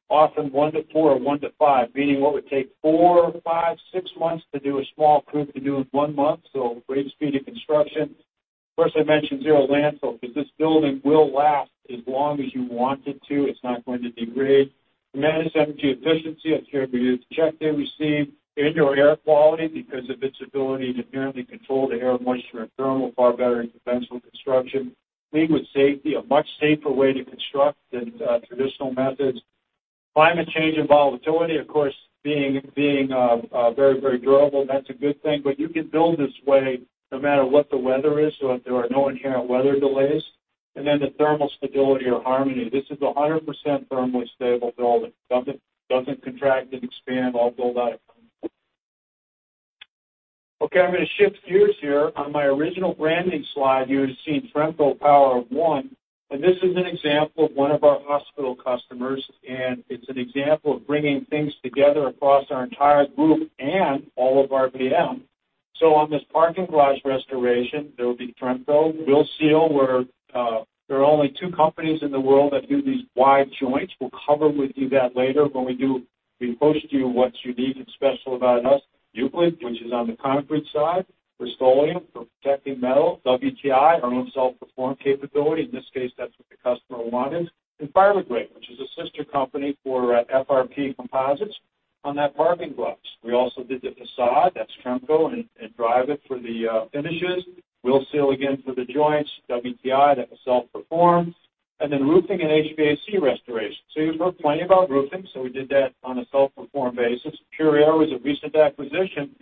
often one to four or one to five, meaning what would take four, five, six, months to do, a small crew can do in one month, so great speed of construction. Of course, I mentioned zero landfill 'cause this building will last as long as you want it to. It's not going to degrade. Tremendous energy efficiency. That's here via the check they received. Indoor air quality because of its ability to inherently control the air, moisture, and thermal, far better than conventional construction. Lead with safety, a much safer way to construct than traditional methods. Climate change and volatility, of course, being very durable, and that's a good thing. You can build this way no matter what the weather is so that there are no inherent weather delays. The thermal stability or harmony. This is 100% thermally stable building. Doesn't contract and expand all built out of concrete. Okay, I'm gonna shift gears here. On my original branding slide, you would've seen Tremco Power of One, and this is an example of one of our hospital customers, and it's an example of bringing things together across our entire group and all of RPM. On this parking garage restoration, there will be Tremco, Willseal, where there are only two companies in the world that do these wide joints. We'll cover with you that later when we post you what's unique and special about us. Euclid, which is on the concrete side. Rust-Oleum for protecting metal. WTI, our own self-perform capability. In this case, that's what the customer wanted. And Fibergrate, which is a sister company for FRP composites on that parking garage. We also did the facade, that's Tremco, and Dryvit for the finishes. Willseal again for the joints. WTI, that was self-perform. And then roofing and HVAC restoration. You've heard plenty about roofing, so we did that on a self-perform basis. Pure Air was a recent acquisition.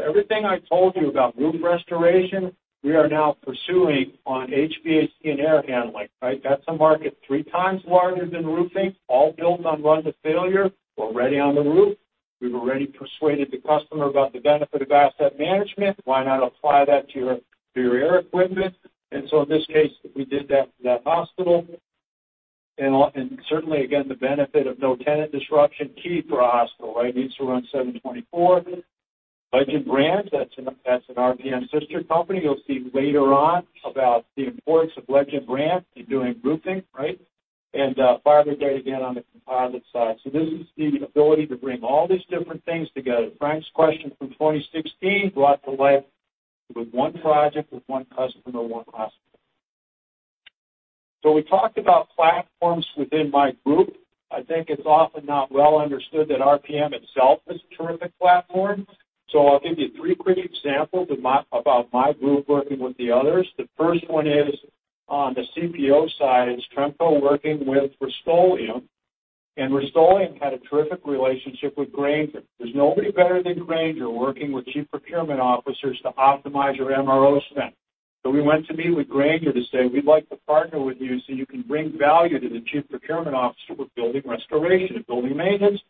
Everything I told you about roof restoration, we are now pursuing on HVAC and air handling, right? That's a market three times larger than roofing, all built on run to failure. We're already on the roof. We've already persuaded the customer about the benefit of asset management. Why not apply that to your Pure Air equipment? In this case, we did that for that hospital. Certainly, again, the benefit of no tenant disruption, key for a hospital, right? It needs to run 24/7. Legend Brands, that's an RPM sister company. You'll see later on about the importance of Legend Brands in doing roofing, right? Fibergrate again on the composite side. This is the ability to bring all these different things together. Frank's question from 2016 brought to life with one project, with one customer, one hospital. We talked about platforms within my group. I think it's often not well understood that RPM itself is a terrific platform. I'll give you three quick examples about my group working with the others. The first one is on the CPO side, it's Tremco working with Rust-Oleum, and Rust-Oleum had a terrific relationship with Grainger. There's nobody better than Grainger working with chief procurement officers to optimize your MRO spend. We went to meet with Grainger to say, we'd like to partner with you so you can bring value to the chief procurement officer. We're building restoration and building maintenance.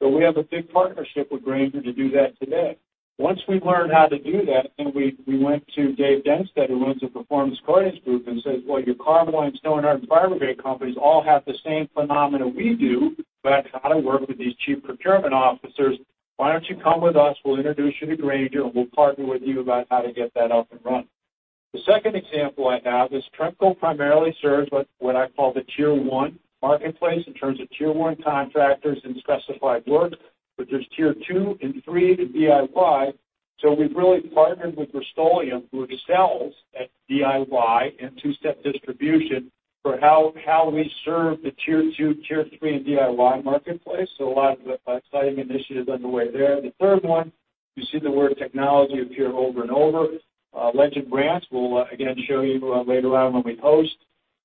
We have a big partnership with Grainger to do that today. Once we learned how to do that, we went to David Dennsteadt, who runs the Performance Coatings Group, and said, "Well, your Carboline, Stonhard, and Fibergrate companies all have the same phenomena we do about how to work with these chief procurement officers. Why don't you come with us? We'll introduce you to Grainger, and we'll partner with you about how to get that up and running." The second example I have is Tremco primarily serves what I call the tier one marketplace in terms of tier one contractors and specified work. There's tier two and three, the DIY. We've really partnered with Rust-Oleum, who excels at DIY and two-step distribution for how we serve the tier two, tier three, and DIY marketplace. A lot of exciting initiatives underway there. The third one, you see the word technology appear over and over. Legend Brands, we'll again show you later on when we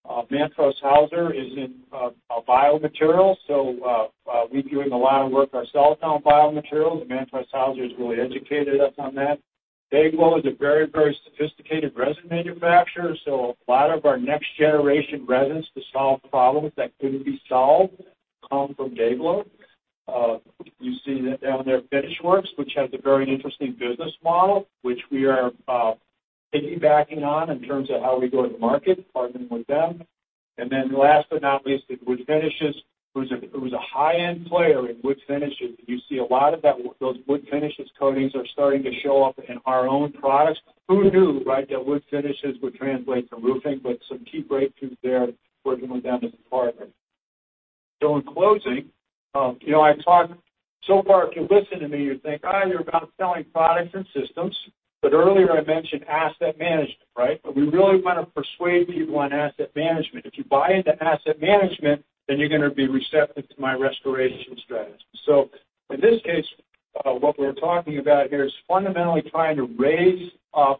host. Mantrose-Haeuser is in a biomaterial. We've been doing a lot of work ourselves on biomaterials, and Mantrose-Haeuser has really educated us on that. DayGlo is a very, very sophisticated resin manufacturer, so a lot of our next generation resins to solve problems that couldn't be solved come from DayGlo. You see that down there, FinishWorks, which has a very interesting business model, which we are piggybacking on in terms of how we go to market, partnering with them. Last but not least is Wood Finishes, who's a high-end player in wood finishes. You see a lot of that, those wood finishes coatings are starting to show up in our own products. Who knew, right, that wood finishes would translate to roofing, but some key breakthroughs there working with them as a partner. In closing, you know, I talked so far, if you listen to me, you'd think you're about selling products and systems. Earlier I mentioned asset management, right? We really want to persuade people on asset management. If you buy into asset management, then you're gonna be receptive to my restoration strategy. In this case, what we're talking about here is fundamentally trying to raise up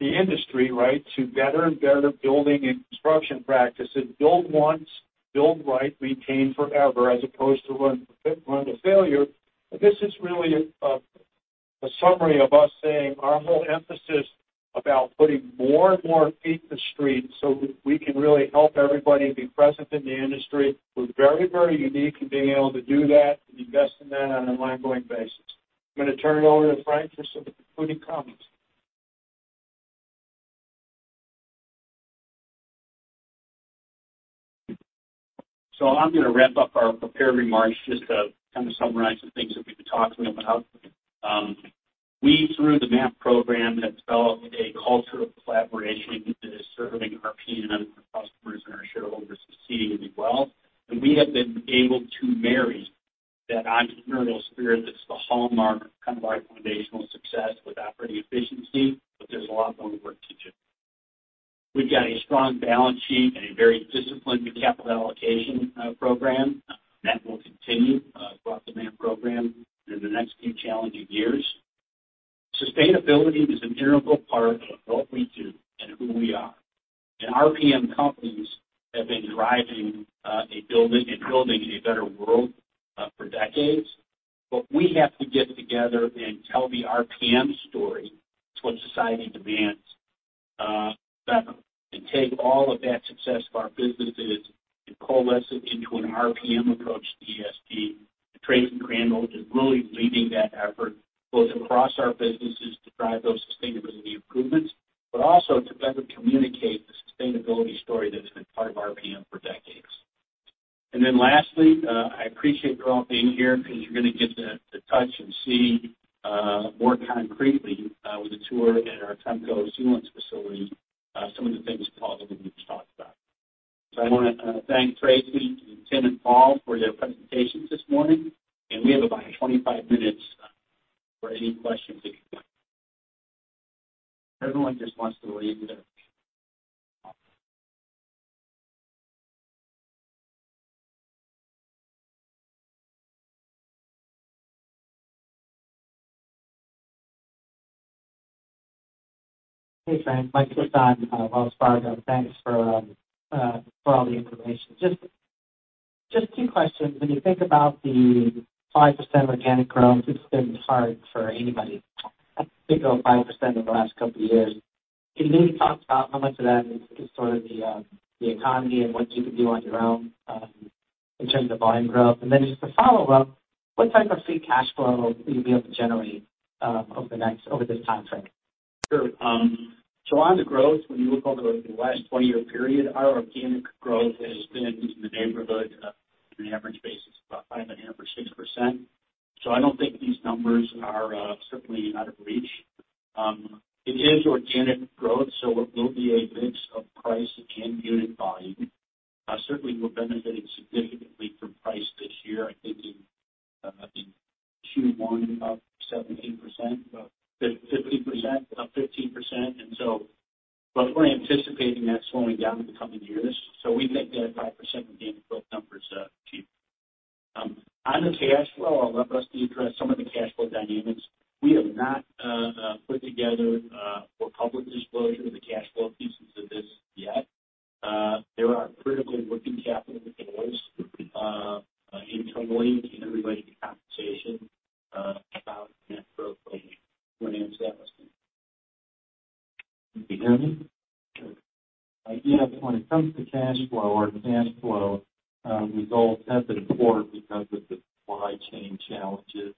the industry, right, to better and better building and construction practices. Build once, build right, retain forever, as opposed to run to failure. This is really a summary of us saying our whole emphasis about putting more and more feet in the street so that we can really help everybody be present in the industry. We're very, very unique in being able to do that and invest in that on an ongoing basis. I'm gonna turn it over to Frank for some concluding comments. I'm gonna wrap up our prepared remarks just to kind of summarize some things that we've been talking about. We through the MAP program have developed a culture of collaboration that is serving RPM and our customers and our shareholders exceedingly well. We have been able to marry that entrepreneurial spirit that's the hallmark of kind of our foundational success with operating efficiency. There's a lot more work to do. We've got a strong balance sheet and a very disciplined capital allocation program. That will continue throughout the MAP program in the next few challenging years. Sustainability is an integral part of what we do and who we are. RPM companies have been driving Building a Better World for decades. We have to get together and tell the RPM story. It's what society demands, better, and take all of that success of our businesses and coalesce it into an RPM approach to ESG. Tracy Crandall is really leading that effort both across our businesses to drive those sustainability improvements, but also to better communicate the sustainability story that has been part of RPM for decades. Lastly, I appreciate you all being here because you're gonna get to touch and see, more concretely, with the tour at our Tremco sealants facility, some of the things Paul and the group talked about. I wanna thank Tracy, Tim, and Paul for their presentations this morning, and we have about 25 minutes for any questions that you might have. Everyone just wants to leave their Hey, Frank. Mike Sison, Wells Fargo. Thanks for all the information. Just two questions. When you think about the 5% organic growth, it's been hard for anybody to think of 5% in the last couple of years. Can you maybe talk about how much of that is sort of the economy and what you can do on your own in terms of volume growth? Then just to follow up, what type of free cash flow will you be able to generate over this time frame? Sure. On the growth, when you look over the last 20-year period, our organic growth has been in the neighborhood of, on an average basis, about 5.5%-6%. I don't think these numbers are certainly out of reach. It is organic growth, so it will be a mix of price and unit volume. Certainly, we're benefiting significantly from price this year. I think in Q1, up 15%. We're anticipating that slowing down in the coming years. We think that 5% organic growth number is achieved. On the cash flow, I'll let Rusty address some of the cash flow dynamics. We have not put together for public disclosure the cash flow pieces of this yet. There are critical working capital demands internally in everybody's compensation about net finance that. Can you hear me? Sure. Yeah. When it comes to cash flow, our cash flow results have been poor because of the supply chain challenges.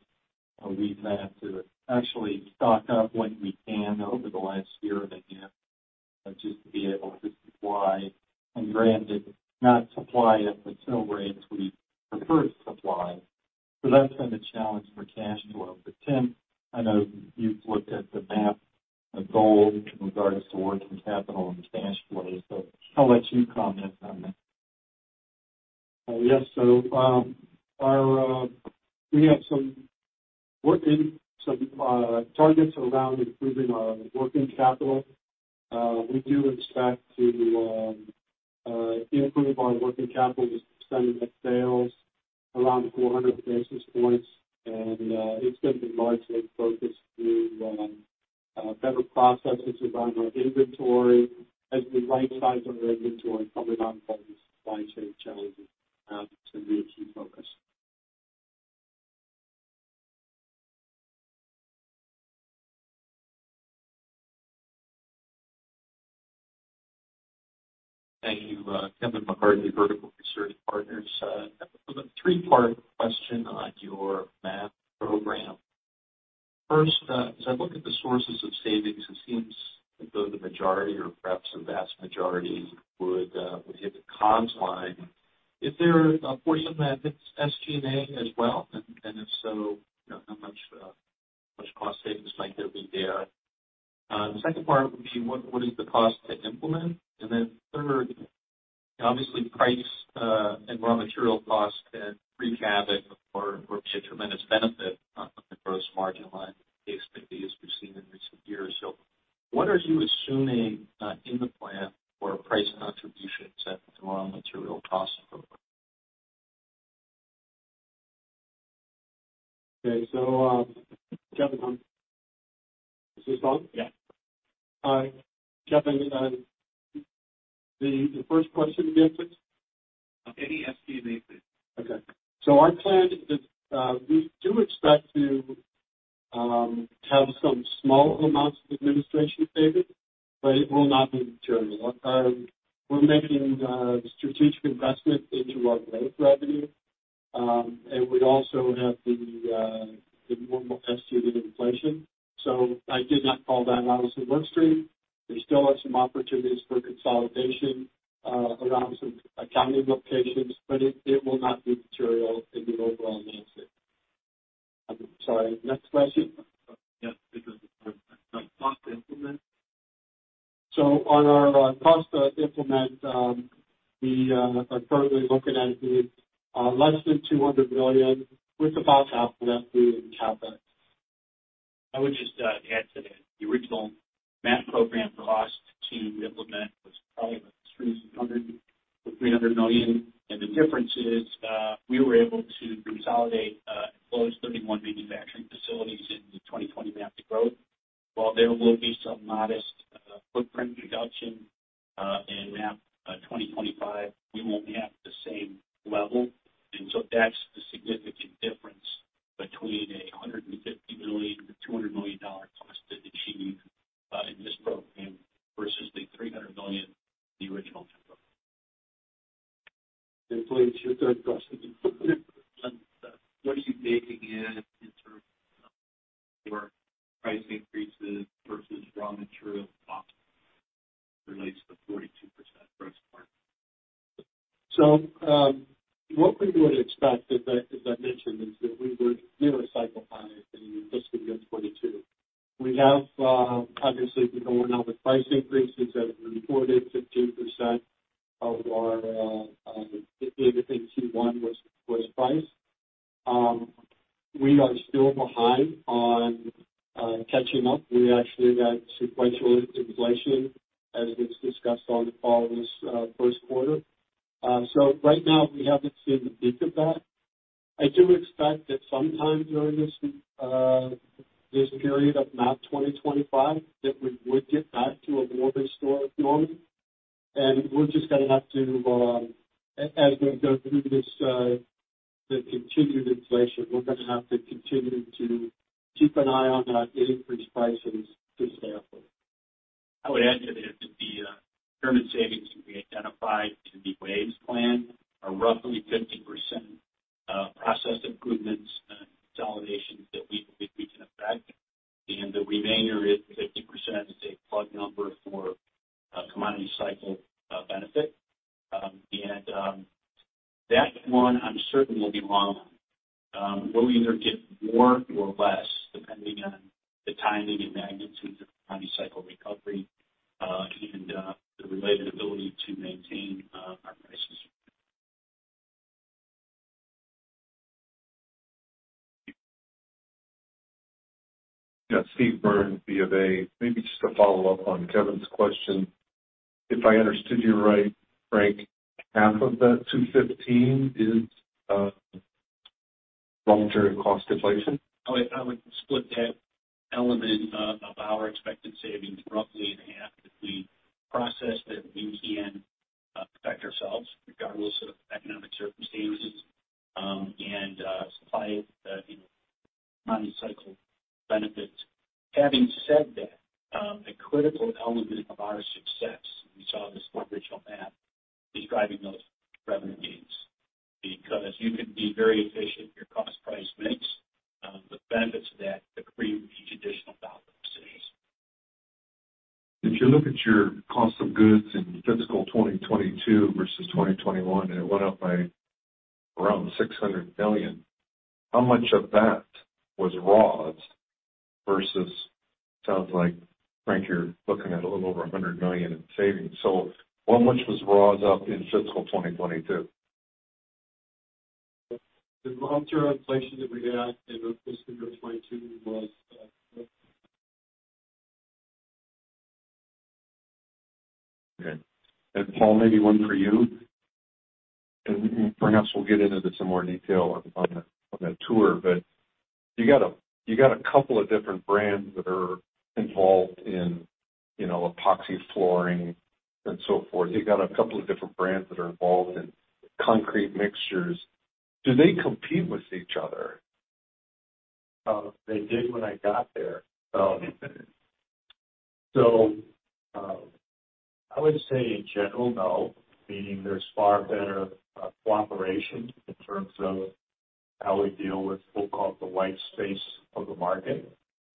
We've had to actually stock up when we can over the last year and again, just to be able to supply and granted, not supply it at the same rates we prefer to supply. That's been a challenge for cash flow. Tim, I know you've looked at the MAP, the goal with regards to working capital and cash flow, so I'll let you comment on that. Yes. We have some work in some targets around improving our working capital. We do expect to improve our working capital as a percent of sales around 400 basis points. It's gonna be largely focused through better processes around our inventory as we right-size our inventory coming off all these supply chain challenges to be a key focus. Thank you. Kevin McCarthy, Vertical Research Partners. I have a three-part question on your MAP program. First, as I look at the sources of savings, it seems as though the majority or perhaps the vast majority would hit the COGS line. Is there a portion of that hits SG&A as well? If so, you know, how much cost savings might there be there? The second part would be what is the cost to implement? Then third, obviously price and raw material costs can wreak havoc or be a tremendous benefit on the gross margin line, basically, as we've seen in recent years. What are you assuming in the plan for price and contribution to raw material costs over? Okay. Kevin, is this on? Yeah. Kevin, the first question again, please. Any SG&A, please. Okay. Our plan is, we do expect to have some small amounts of administration savings, but it will not be material. We're making strategic investment into our growth revenue, and we also have the normal estimated inflation. I did not call that out as a work stream. We still have some opportunities for consolidation around some accounting locations, but it will not be material in the overall answer. I'm sorry. Next question. Yes, please. The cost to implement. On our cost to implement, we are currently looking at is less than $200 million with about half of that through in CapEx. I would just add to that. The original MAP program cost to implement was probably between $200-300 million. The difference is, we were able to consolidate and close 31 manufacturing facilities in the 2020 MAP to Growth. While there will be some modest footprint reduction in MAP 2025, we won't be at the same level. That's the significant difference between a $150-200 million cost to achieve in this program versus the $300 million in the original MAP program. Please, your third question. What are you baking in in terms of your price increases versus raw material costs as it relates to the 42% gross margin? What we would expect, as I mentioned, is that we were cycle high in fiscal year 2022. We have obviously, we're going out with price increases as reported. 15% of our everything Q1 was price. We are still behind on catching up. We actually got sequential inflation as was discussed on the call this first quarter. Right now we haven't seen the peak of that. I do expect that sometime during this period of MAP 2025, that we would get back to a more historic norm. We're just gonna have to, as we go through this the continued inflation, we're gonna have to continue to keep an eye on our increased prices to sample. I would add to that that the permanent savings that we identified in the WAVES plan are roughly 50% process improvements and consolidations that we believe we can affect. The remainder is 50% as a plug number for a commodity cycle benefit. That one I'm certain will be wrong. We'll either get more or less depending on the timing and magnitude of the commodity cycle recovery, and the related ability to maintain our prices. Yeah. Steve Byrne, Bank of America. Maybe just to follow up on Kevin's question. If I understood you right, Frank, half of that $215 is long-term cost deflation? I would split that element of our expected savings roughly in half as we process that we can protect ourselves regardless of economic circumstances, and supply you know commodity cycle benefits. Having said that, a critical element of our success we saw in this original MAP is driving those revenue gains. Because you can be very efficient in your cost price mix, the benefits of that accrete with each additional dollar of sales. If you look at your cost of goods in fiscal 2022 versus 2021, and it went up by around $600 million, how much of that was raws versus— Sounds like, Frank, you're looking at a little over $100 million in savings. How much was raws up in fiscal 2022? The long-term inflation that we had in fiscal 2022 was. Okay. Paul, maybe one for you, and perhaps we'll get into some more detail on that tour. You got a couple of different brands that are involved in, you know, epoxy flooring and so forth. You got a couple of different brands that are involved in concrete mixtures. Do they compete with each other? They did when I got there. Oh. I would say in general, no, meaning there's far better cooperation in terms of how we deal with what we call the white space of the market.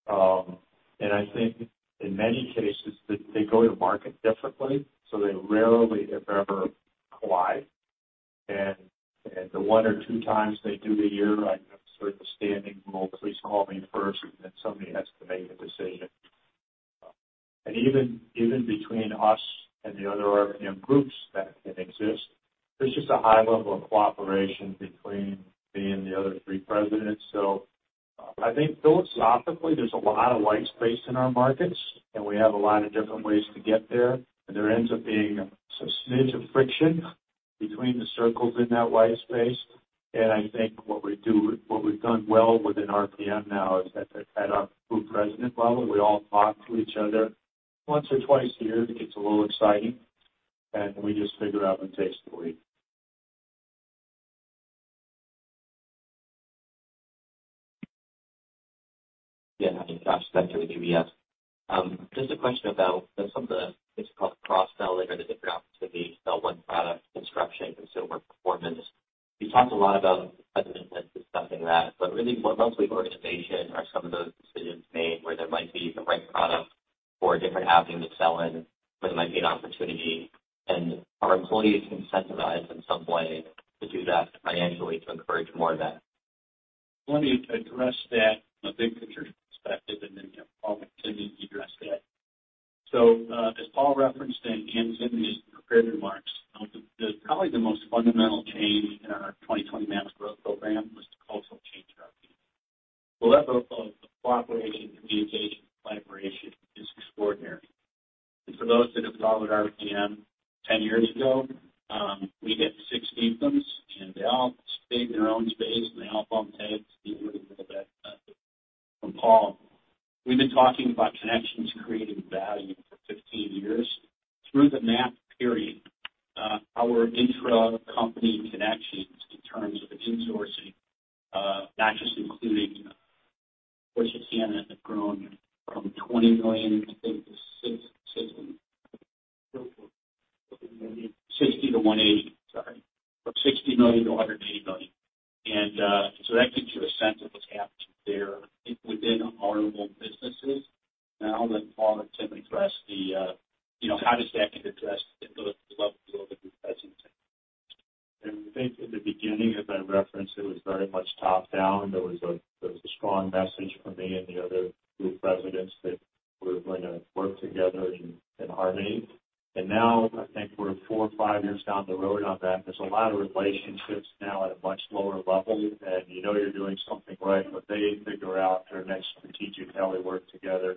I think in many cases that they go to market differently, so they rarely, if ever, collide. The one or two times they do a year, I have sort of the standing rule, please call me first, and then somebody has to make a decision. Even between us and the other RPM groups that exist, there's just a high level of cooperation between me and the other three presidents. I think philosophically, there's a lot of white space in our markets, and we have a lot of different ways to get there. There ends up being some smidge of friction between the circles in that white space. I think what we've done well within RPM now is that at our Group President level, we all talk to each other. Once or twice a year, it gets a little exciting, and we just figure out, and that's the way. Yeah. Joshua Spector with UBS. Just a question about some of the, it's called cross-selling or the different opportunities to sell one product, Construction, Consumer, Performance. You talked a lot about president that's discussing that, but really what level of organization are some of those decisions made where there might be the right product for a different avenue to sell in, where there might be an opportunity? And are employees incentivized in some way to do that financially to encourage more of that? Let me address that from a big picture perspective, and then Paul can maybe address that. As Paul referenced in, and Tim, these prepared remarks, probably the most fundamental change in our 2020 MAP to Growth program was the cultural change at RPM. The level of cooperation, communication, collaboration is extraordinary. For those that have followed RPM 10 years ago, we had six fiefdoms, and they all stayed in their own space, and they all bumped heads, to use a little bit from Paul. We've been talking about Connections Creating Value for 15 years. Through the MAP period, our intra-company connections in terms of insourcing, not just including Portuciana, have grown from $20 million, I think to $660 million. $40 million. $60-180 million. Sorry. From $60 -180 million. That gives you a sense of what's happening there within our own businesses. Now I'll let Paul and Tim address the how does that get addressed at the level below the group president level. I think in the beginning, as I referenced, it was very much top-down. There was a strong message from the other group presidents and me that we're going to work together in harmony. Now I think we're four or five years down the road on that. There's a lot of relationships now at a much lower level. You know you're doing something right when they figure out their next strategic how they work together.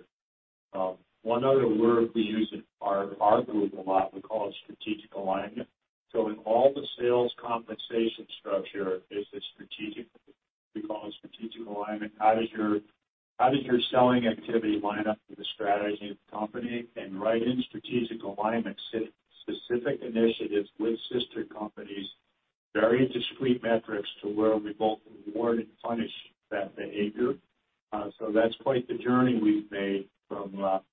One other word we use in our group a lot, we call it strategic alignment. In all the sales compensation structure is a strategic. We call it strategic alignment. How does your selling activity line up with the strategy of the company? Right in strategic alignment, specific initiatives with sister companies. Very discrete metrics to where we both reward and punish that behavior. That's quite the journey we've made from not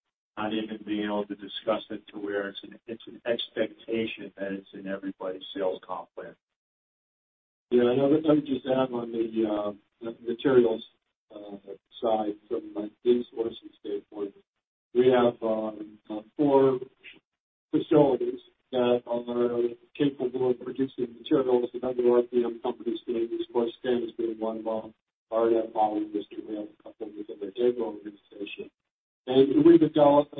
even being able to discuss it to where it's an expectation that it's in everybody's sales comp plan. Yeah. Let me just add on the materials side from like David Dennsteadt's horse and skateboard. We have four facilities that are capable of producing materials that other RPM companies need. Of course, Stonhard is being one of them. RF Poly is another couple within the Tremco organization. We developed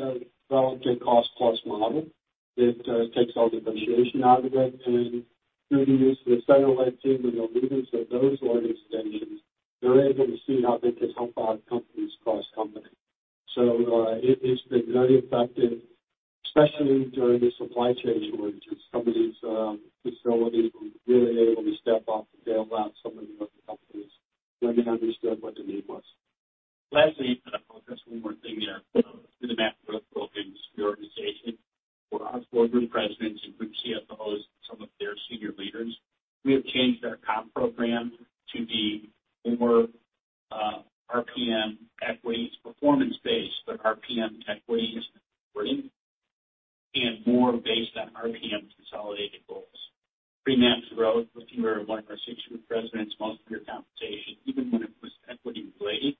a cost-plus model that takes all negotiation out of it. Through the use of the satellite team and the leaders of those organizations, they're able to see how they can help our companies cross-company. It's been very effective, especially during the supply chain shortage. Some of these facilities were really able to step up and bail out some of the other companies when they understood what the need was. Lastly, I focus on one more thing there. Through the MAP to Growth program in this organization, for our four group presidents and group CFOs, some of their senior leaders, we have changed our comp program to be more RPM equity's performance based, but RPM equity is important and more based on RPM consolidated goals. Pre-MAP to Growth with one of our six group presidents, most of your compensation, even when it was equity related,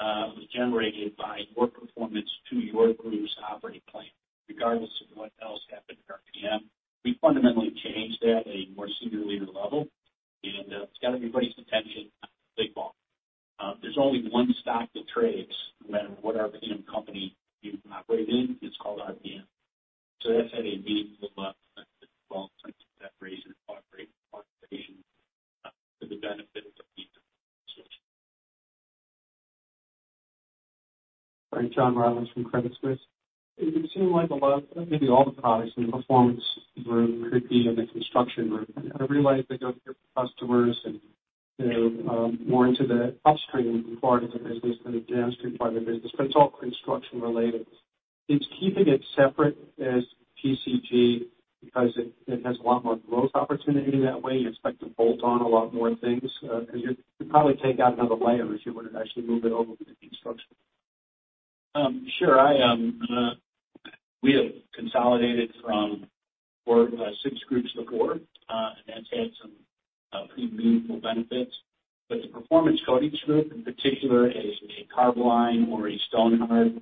was generated by your performance to your group's operating plan, regardless of what else happened in RPM. We fundamentally changed that at a more senior leader level, and it's got everybody's attention on the big ball. There's only one stock that trades no matter what RPM company you operate in. It's called RPM. That's had a meaningful involvement that raises cooperation for the benefit of the people. John Roberts from Credit Suisse. It would seem like a lot, maybe all the products in the performance group could be in the construction group. I realize they go to different customers and they're more into the upstream part of the business than the downstream part of the business, but it's all construction related. Is keeping it separate as PCG because it has a lot more growth opportunity in that way? You expect to bolt on a lot more things, 'cause you'd probably take out another layer if you were to actually move it over to the construction. Sure. We have consolidated from four to six groups before, and that's had some pretty meaningful benefits. The Performance Coatings Group in particular is Carboline or Stonhard.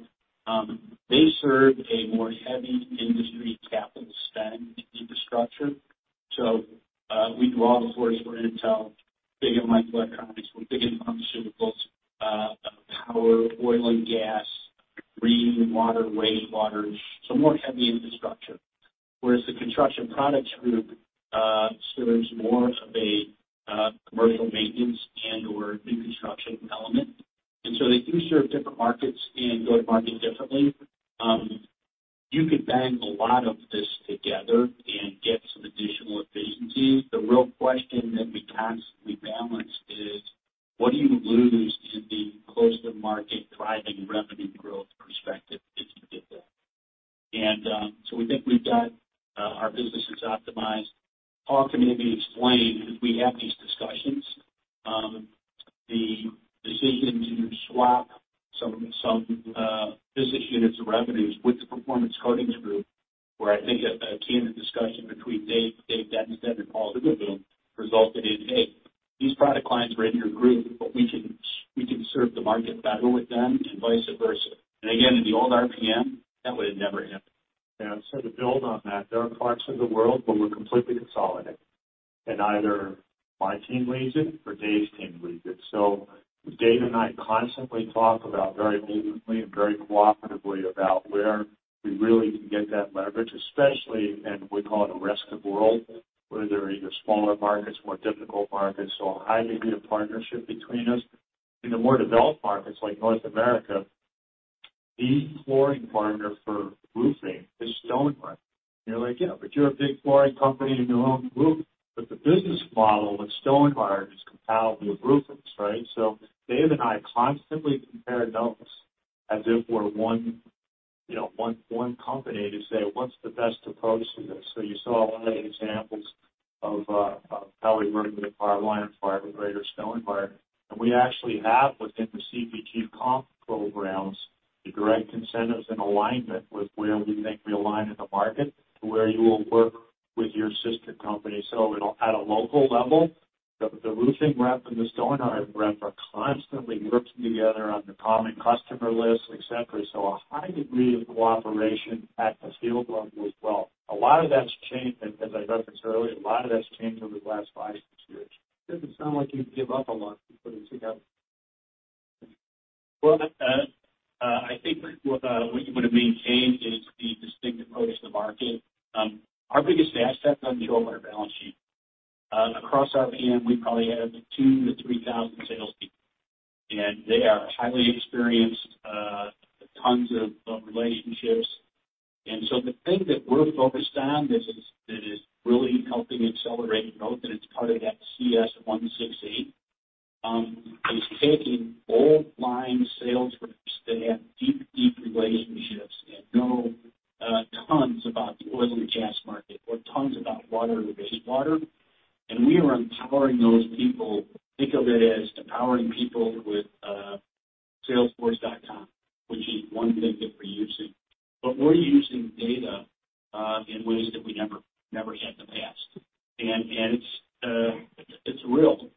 They serve a more heavy industry capital spend infrastructure. We are in the forefront. We're Intel, big in microelectronics. We're big in pharmaceuticals, power, oil and gas, clean water, waste water, so more heavy infrastructure. Whereas the Construction Products Group serves more of a commercial maintenance and/or new construction element. They do serve different markets and go to market differently. You could bang a lot of this together and get some additional efficiencies. The real question that we constantly balance is, what do you lose in the closeness to the market driving revenue growth perspective if you did that? We think we've got our business is optimized. Paul can maybe explain. We have these discussions. The decision to swap some business units or revenues with the Performance Coatings Group, where I think a candid discussion between David Dennsteadt and Paul Hoogenboom resulted in, hey, these product lines are in your group, but we can serve the market better with them and vice versa. Again, in the old RPM, that would have never happened. Yeah. To build on that, there are parts of the world where we're completely consolidated and either my team leads it or Dave's team leads it. Dave and I constantly talk about very openly and very cooperatively about where we really can get that leverage, especially, and we call it a riskier world, where they're either smaller markets, more difficult markets or a high degree of partnership between us. In the more developed markets like North America, the flooring partner for roofing is Stonhard. You're like, yeah, but you're a big flooring company and you own the roof. But the business model of Stonhard is coupled with roofing, right? Dave and I constantly compare notes as if we're one, you know, company to say, what's the best approach to this? You saw examples of how we work with Carboline and fire with greater Stonhard. We actually have within the CPG comp programs the direct incentives and alignment with where we think we align in the market to where you will work with your sister company. At a local level, the roofing rep and the Stonhard rep are constantly working together on the common customer list, et cetera. A high degree of cooperation at the field level as well. A lot of that's changed, as I referenced earlier, over the last five, six years. Doesn't sound like you'd give up a lot to put it together. I think what you want to maintain is the distinct approach to market. Our biggest asset doesn't show up on our balance sheet. Across RPM, we probably have 2,000-3,000 salespeople, and they are highly experienced, tons of relationships. The thing that we're focused on is that is really helping accelerate growth, and it's part of that CS 168, taking old line sales reps that have deep relationships and know tons about the oil and gas market or tons about water and wastewater, and we are empowering those people. Think of it as empowering people with salesforce.com, which is one thing that we're using. But we're using data in ways that we never had in the past. It's real. It's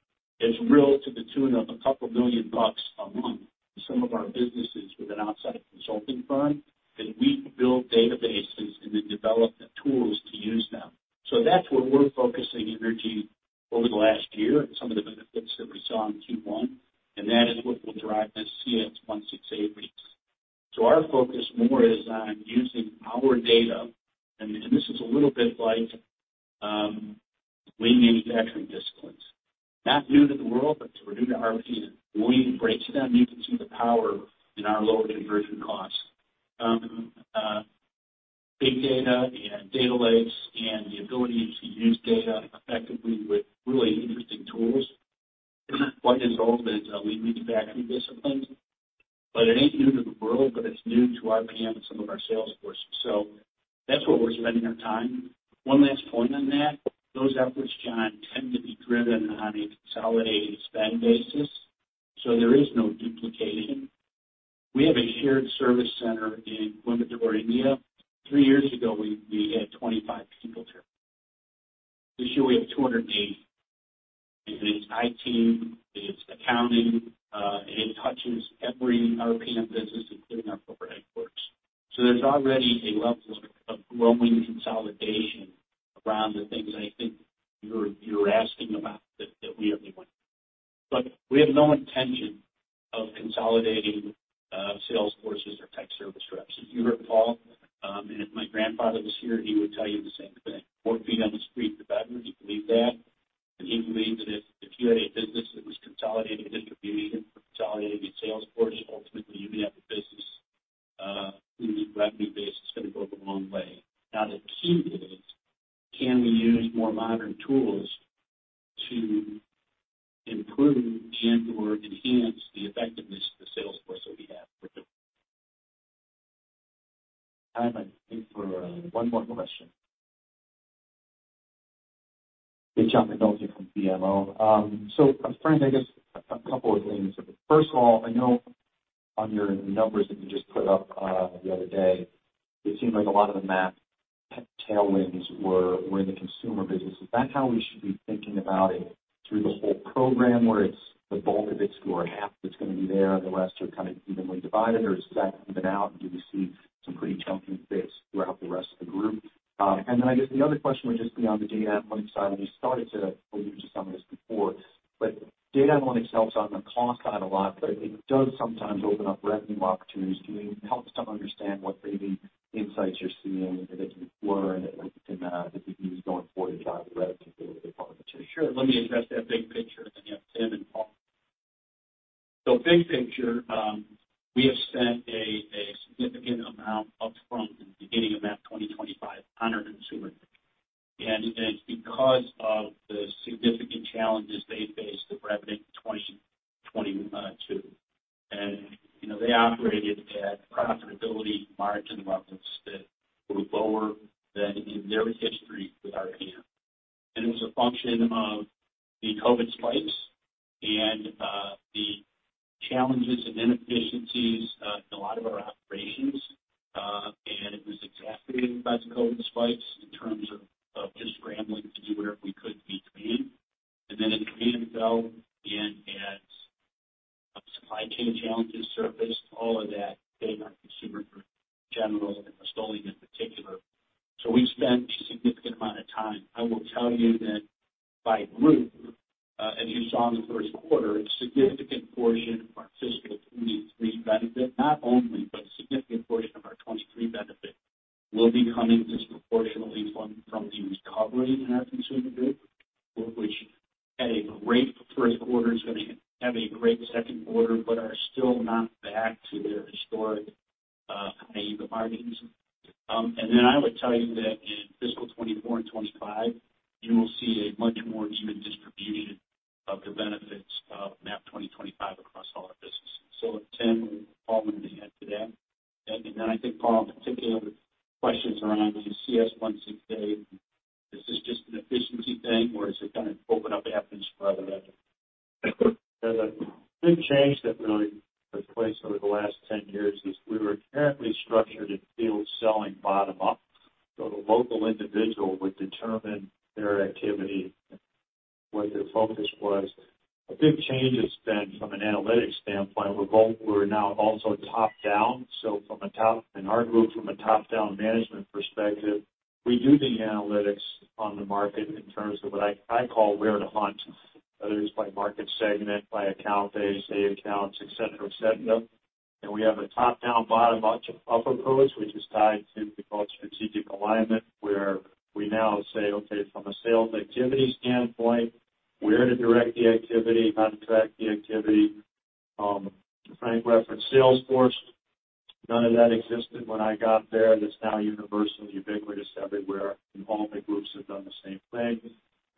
Group. It's because of the significant challenges they faced with revenue in 2022. You know, they operated at profitability margin levels that were lower than in their history with RPM. It was a function of the COVID spikes and the challenges and inefficiencies in a lot of our operations. It was exacerbated by the COVID spikes in terms of just scrambling to do whatever we could to be clean. As cleaners fell and as supply chain challenges surfaced, all of that hit our Consumer Group in general and cleaner business in particular. We've spent a significant amount of time. I will tell you that by group, as you saw in the first quarter, a significant portion of our fiscal 2023 benefit, not only, but a significant portion of our 2023 benefit will be coming disproportionately from the recovery in our Consumer Group. Which had a great first quarter, is gonna have a great second quarter, but are still not back to their historic high EBITDA margins. Then I would tell you that in fiscal 2024 and 2025, you will see a much more even distribution of the benefits of MAP 2025 across all our businesses. Tim and Paul may add to that. I think Paul, particularly on the questions around the CS 168, is this just an efficiency thing or does it kind of open up avenues for other revenue? The big change that really took place over the last 10 years is we were inherently structured in field selling bottom up. The local individual would determine their activity, what their focus was. A big change has been from an analytics standpoint, we're now also top-down. In our group, from a top-down management perspective, we do the analytics on the market in terms of what I call where to hunt. Whether it's by market segment, by account, GSA accounts, et cetera, et cetera. We have a top-down, bottom up approach, which is tied to what we call strategic alignment, where we now say, okay, from a sales activity standpoint, where to direct the activity, how to track the activity. Frank referenced Salesforce. None of that existed when I got there. That's now universal and ubiquitous everywhere, and all the groups have done the same thing.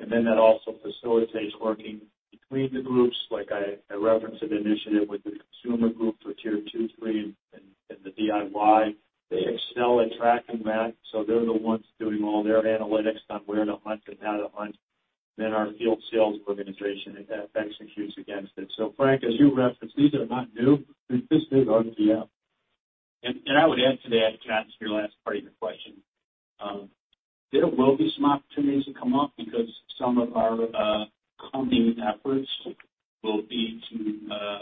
Then that also facilitates working between the groups. Like I referenced an initiative with the Consumer Group for tier two, three, and the DIY. They excel at tracking that, so they're the ones doing all their analytics on where to hunt and how to hunt. Then our field sales organization executes against it. Frank, as you referenced, these are not new. This is RPM. I would add to that, Kat, to your last part of your question. There will be some opportunities that come up because some of our company efforts will be to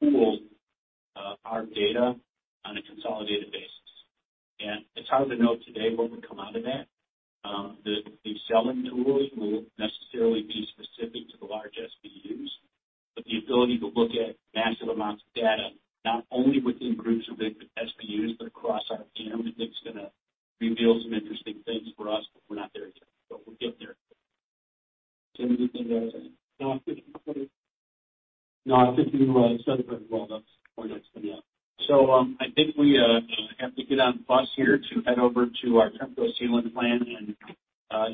pool our data on a consolidated basis. It's hard to know today what would come out of that. The selling tools won't necessarily be specific to the large SBUs, but the ability to look at massive amounts of data, not only within groups of big SBUs, but across RPM, I think it's gonna reveal some interesting things for us, but we're not there yet, but we'll get there. Tim, anything to add to that? No. No. I was just gonna do a southern part of the world. That's where that's coming up. I think we have to get on the bus here to head over to our Tremco sealant plant.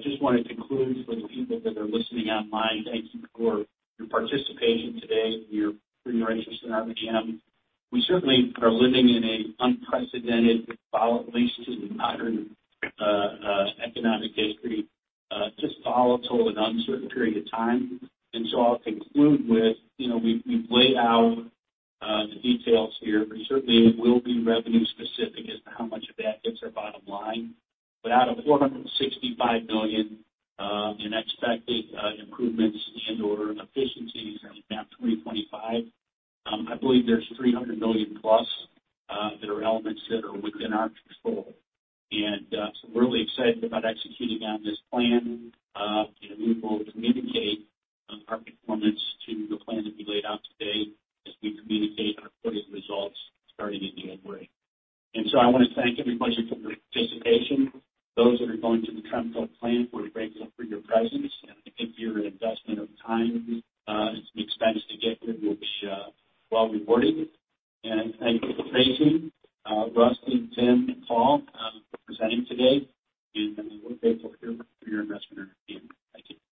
Just wanna conclude for the people that are listening online. Thank you for your participation today, for your interest in RPM. We certainly are living in an unprecedented, at least in modern, economic history, just volatile and uncertain period of time. I'll conclude with, you know, we've laid out the details here. Certainly it will be revenue specific as to how much of that hits our bottom line. Out of $465 million in expected improvements and/or efficiencies in MAP 2025, I believe there's $300 million plus that are elements that are within our control. We're really excited about executing on this plan, and we will communicate our performance to the plan that we laid out today as we communicate our quarter results starting in the fourth quarter. I wanna thank everybody for their participation. Those that are going to the Temple plant, we're grateful for your presence, and I think your investment of time and some expense to get here will be well rewarded. Thank you to Tracy, Rusty, Tim, and Paul for presenting today. We're grateful for your investment in RPM. Thank you.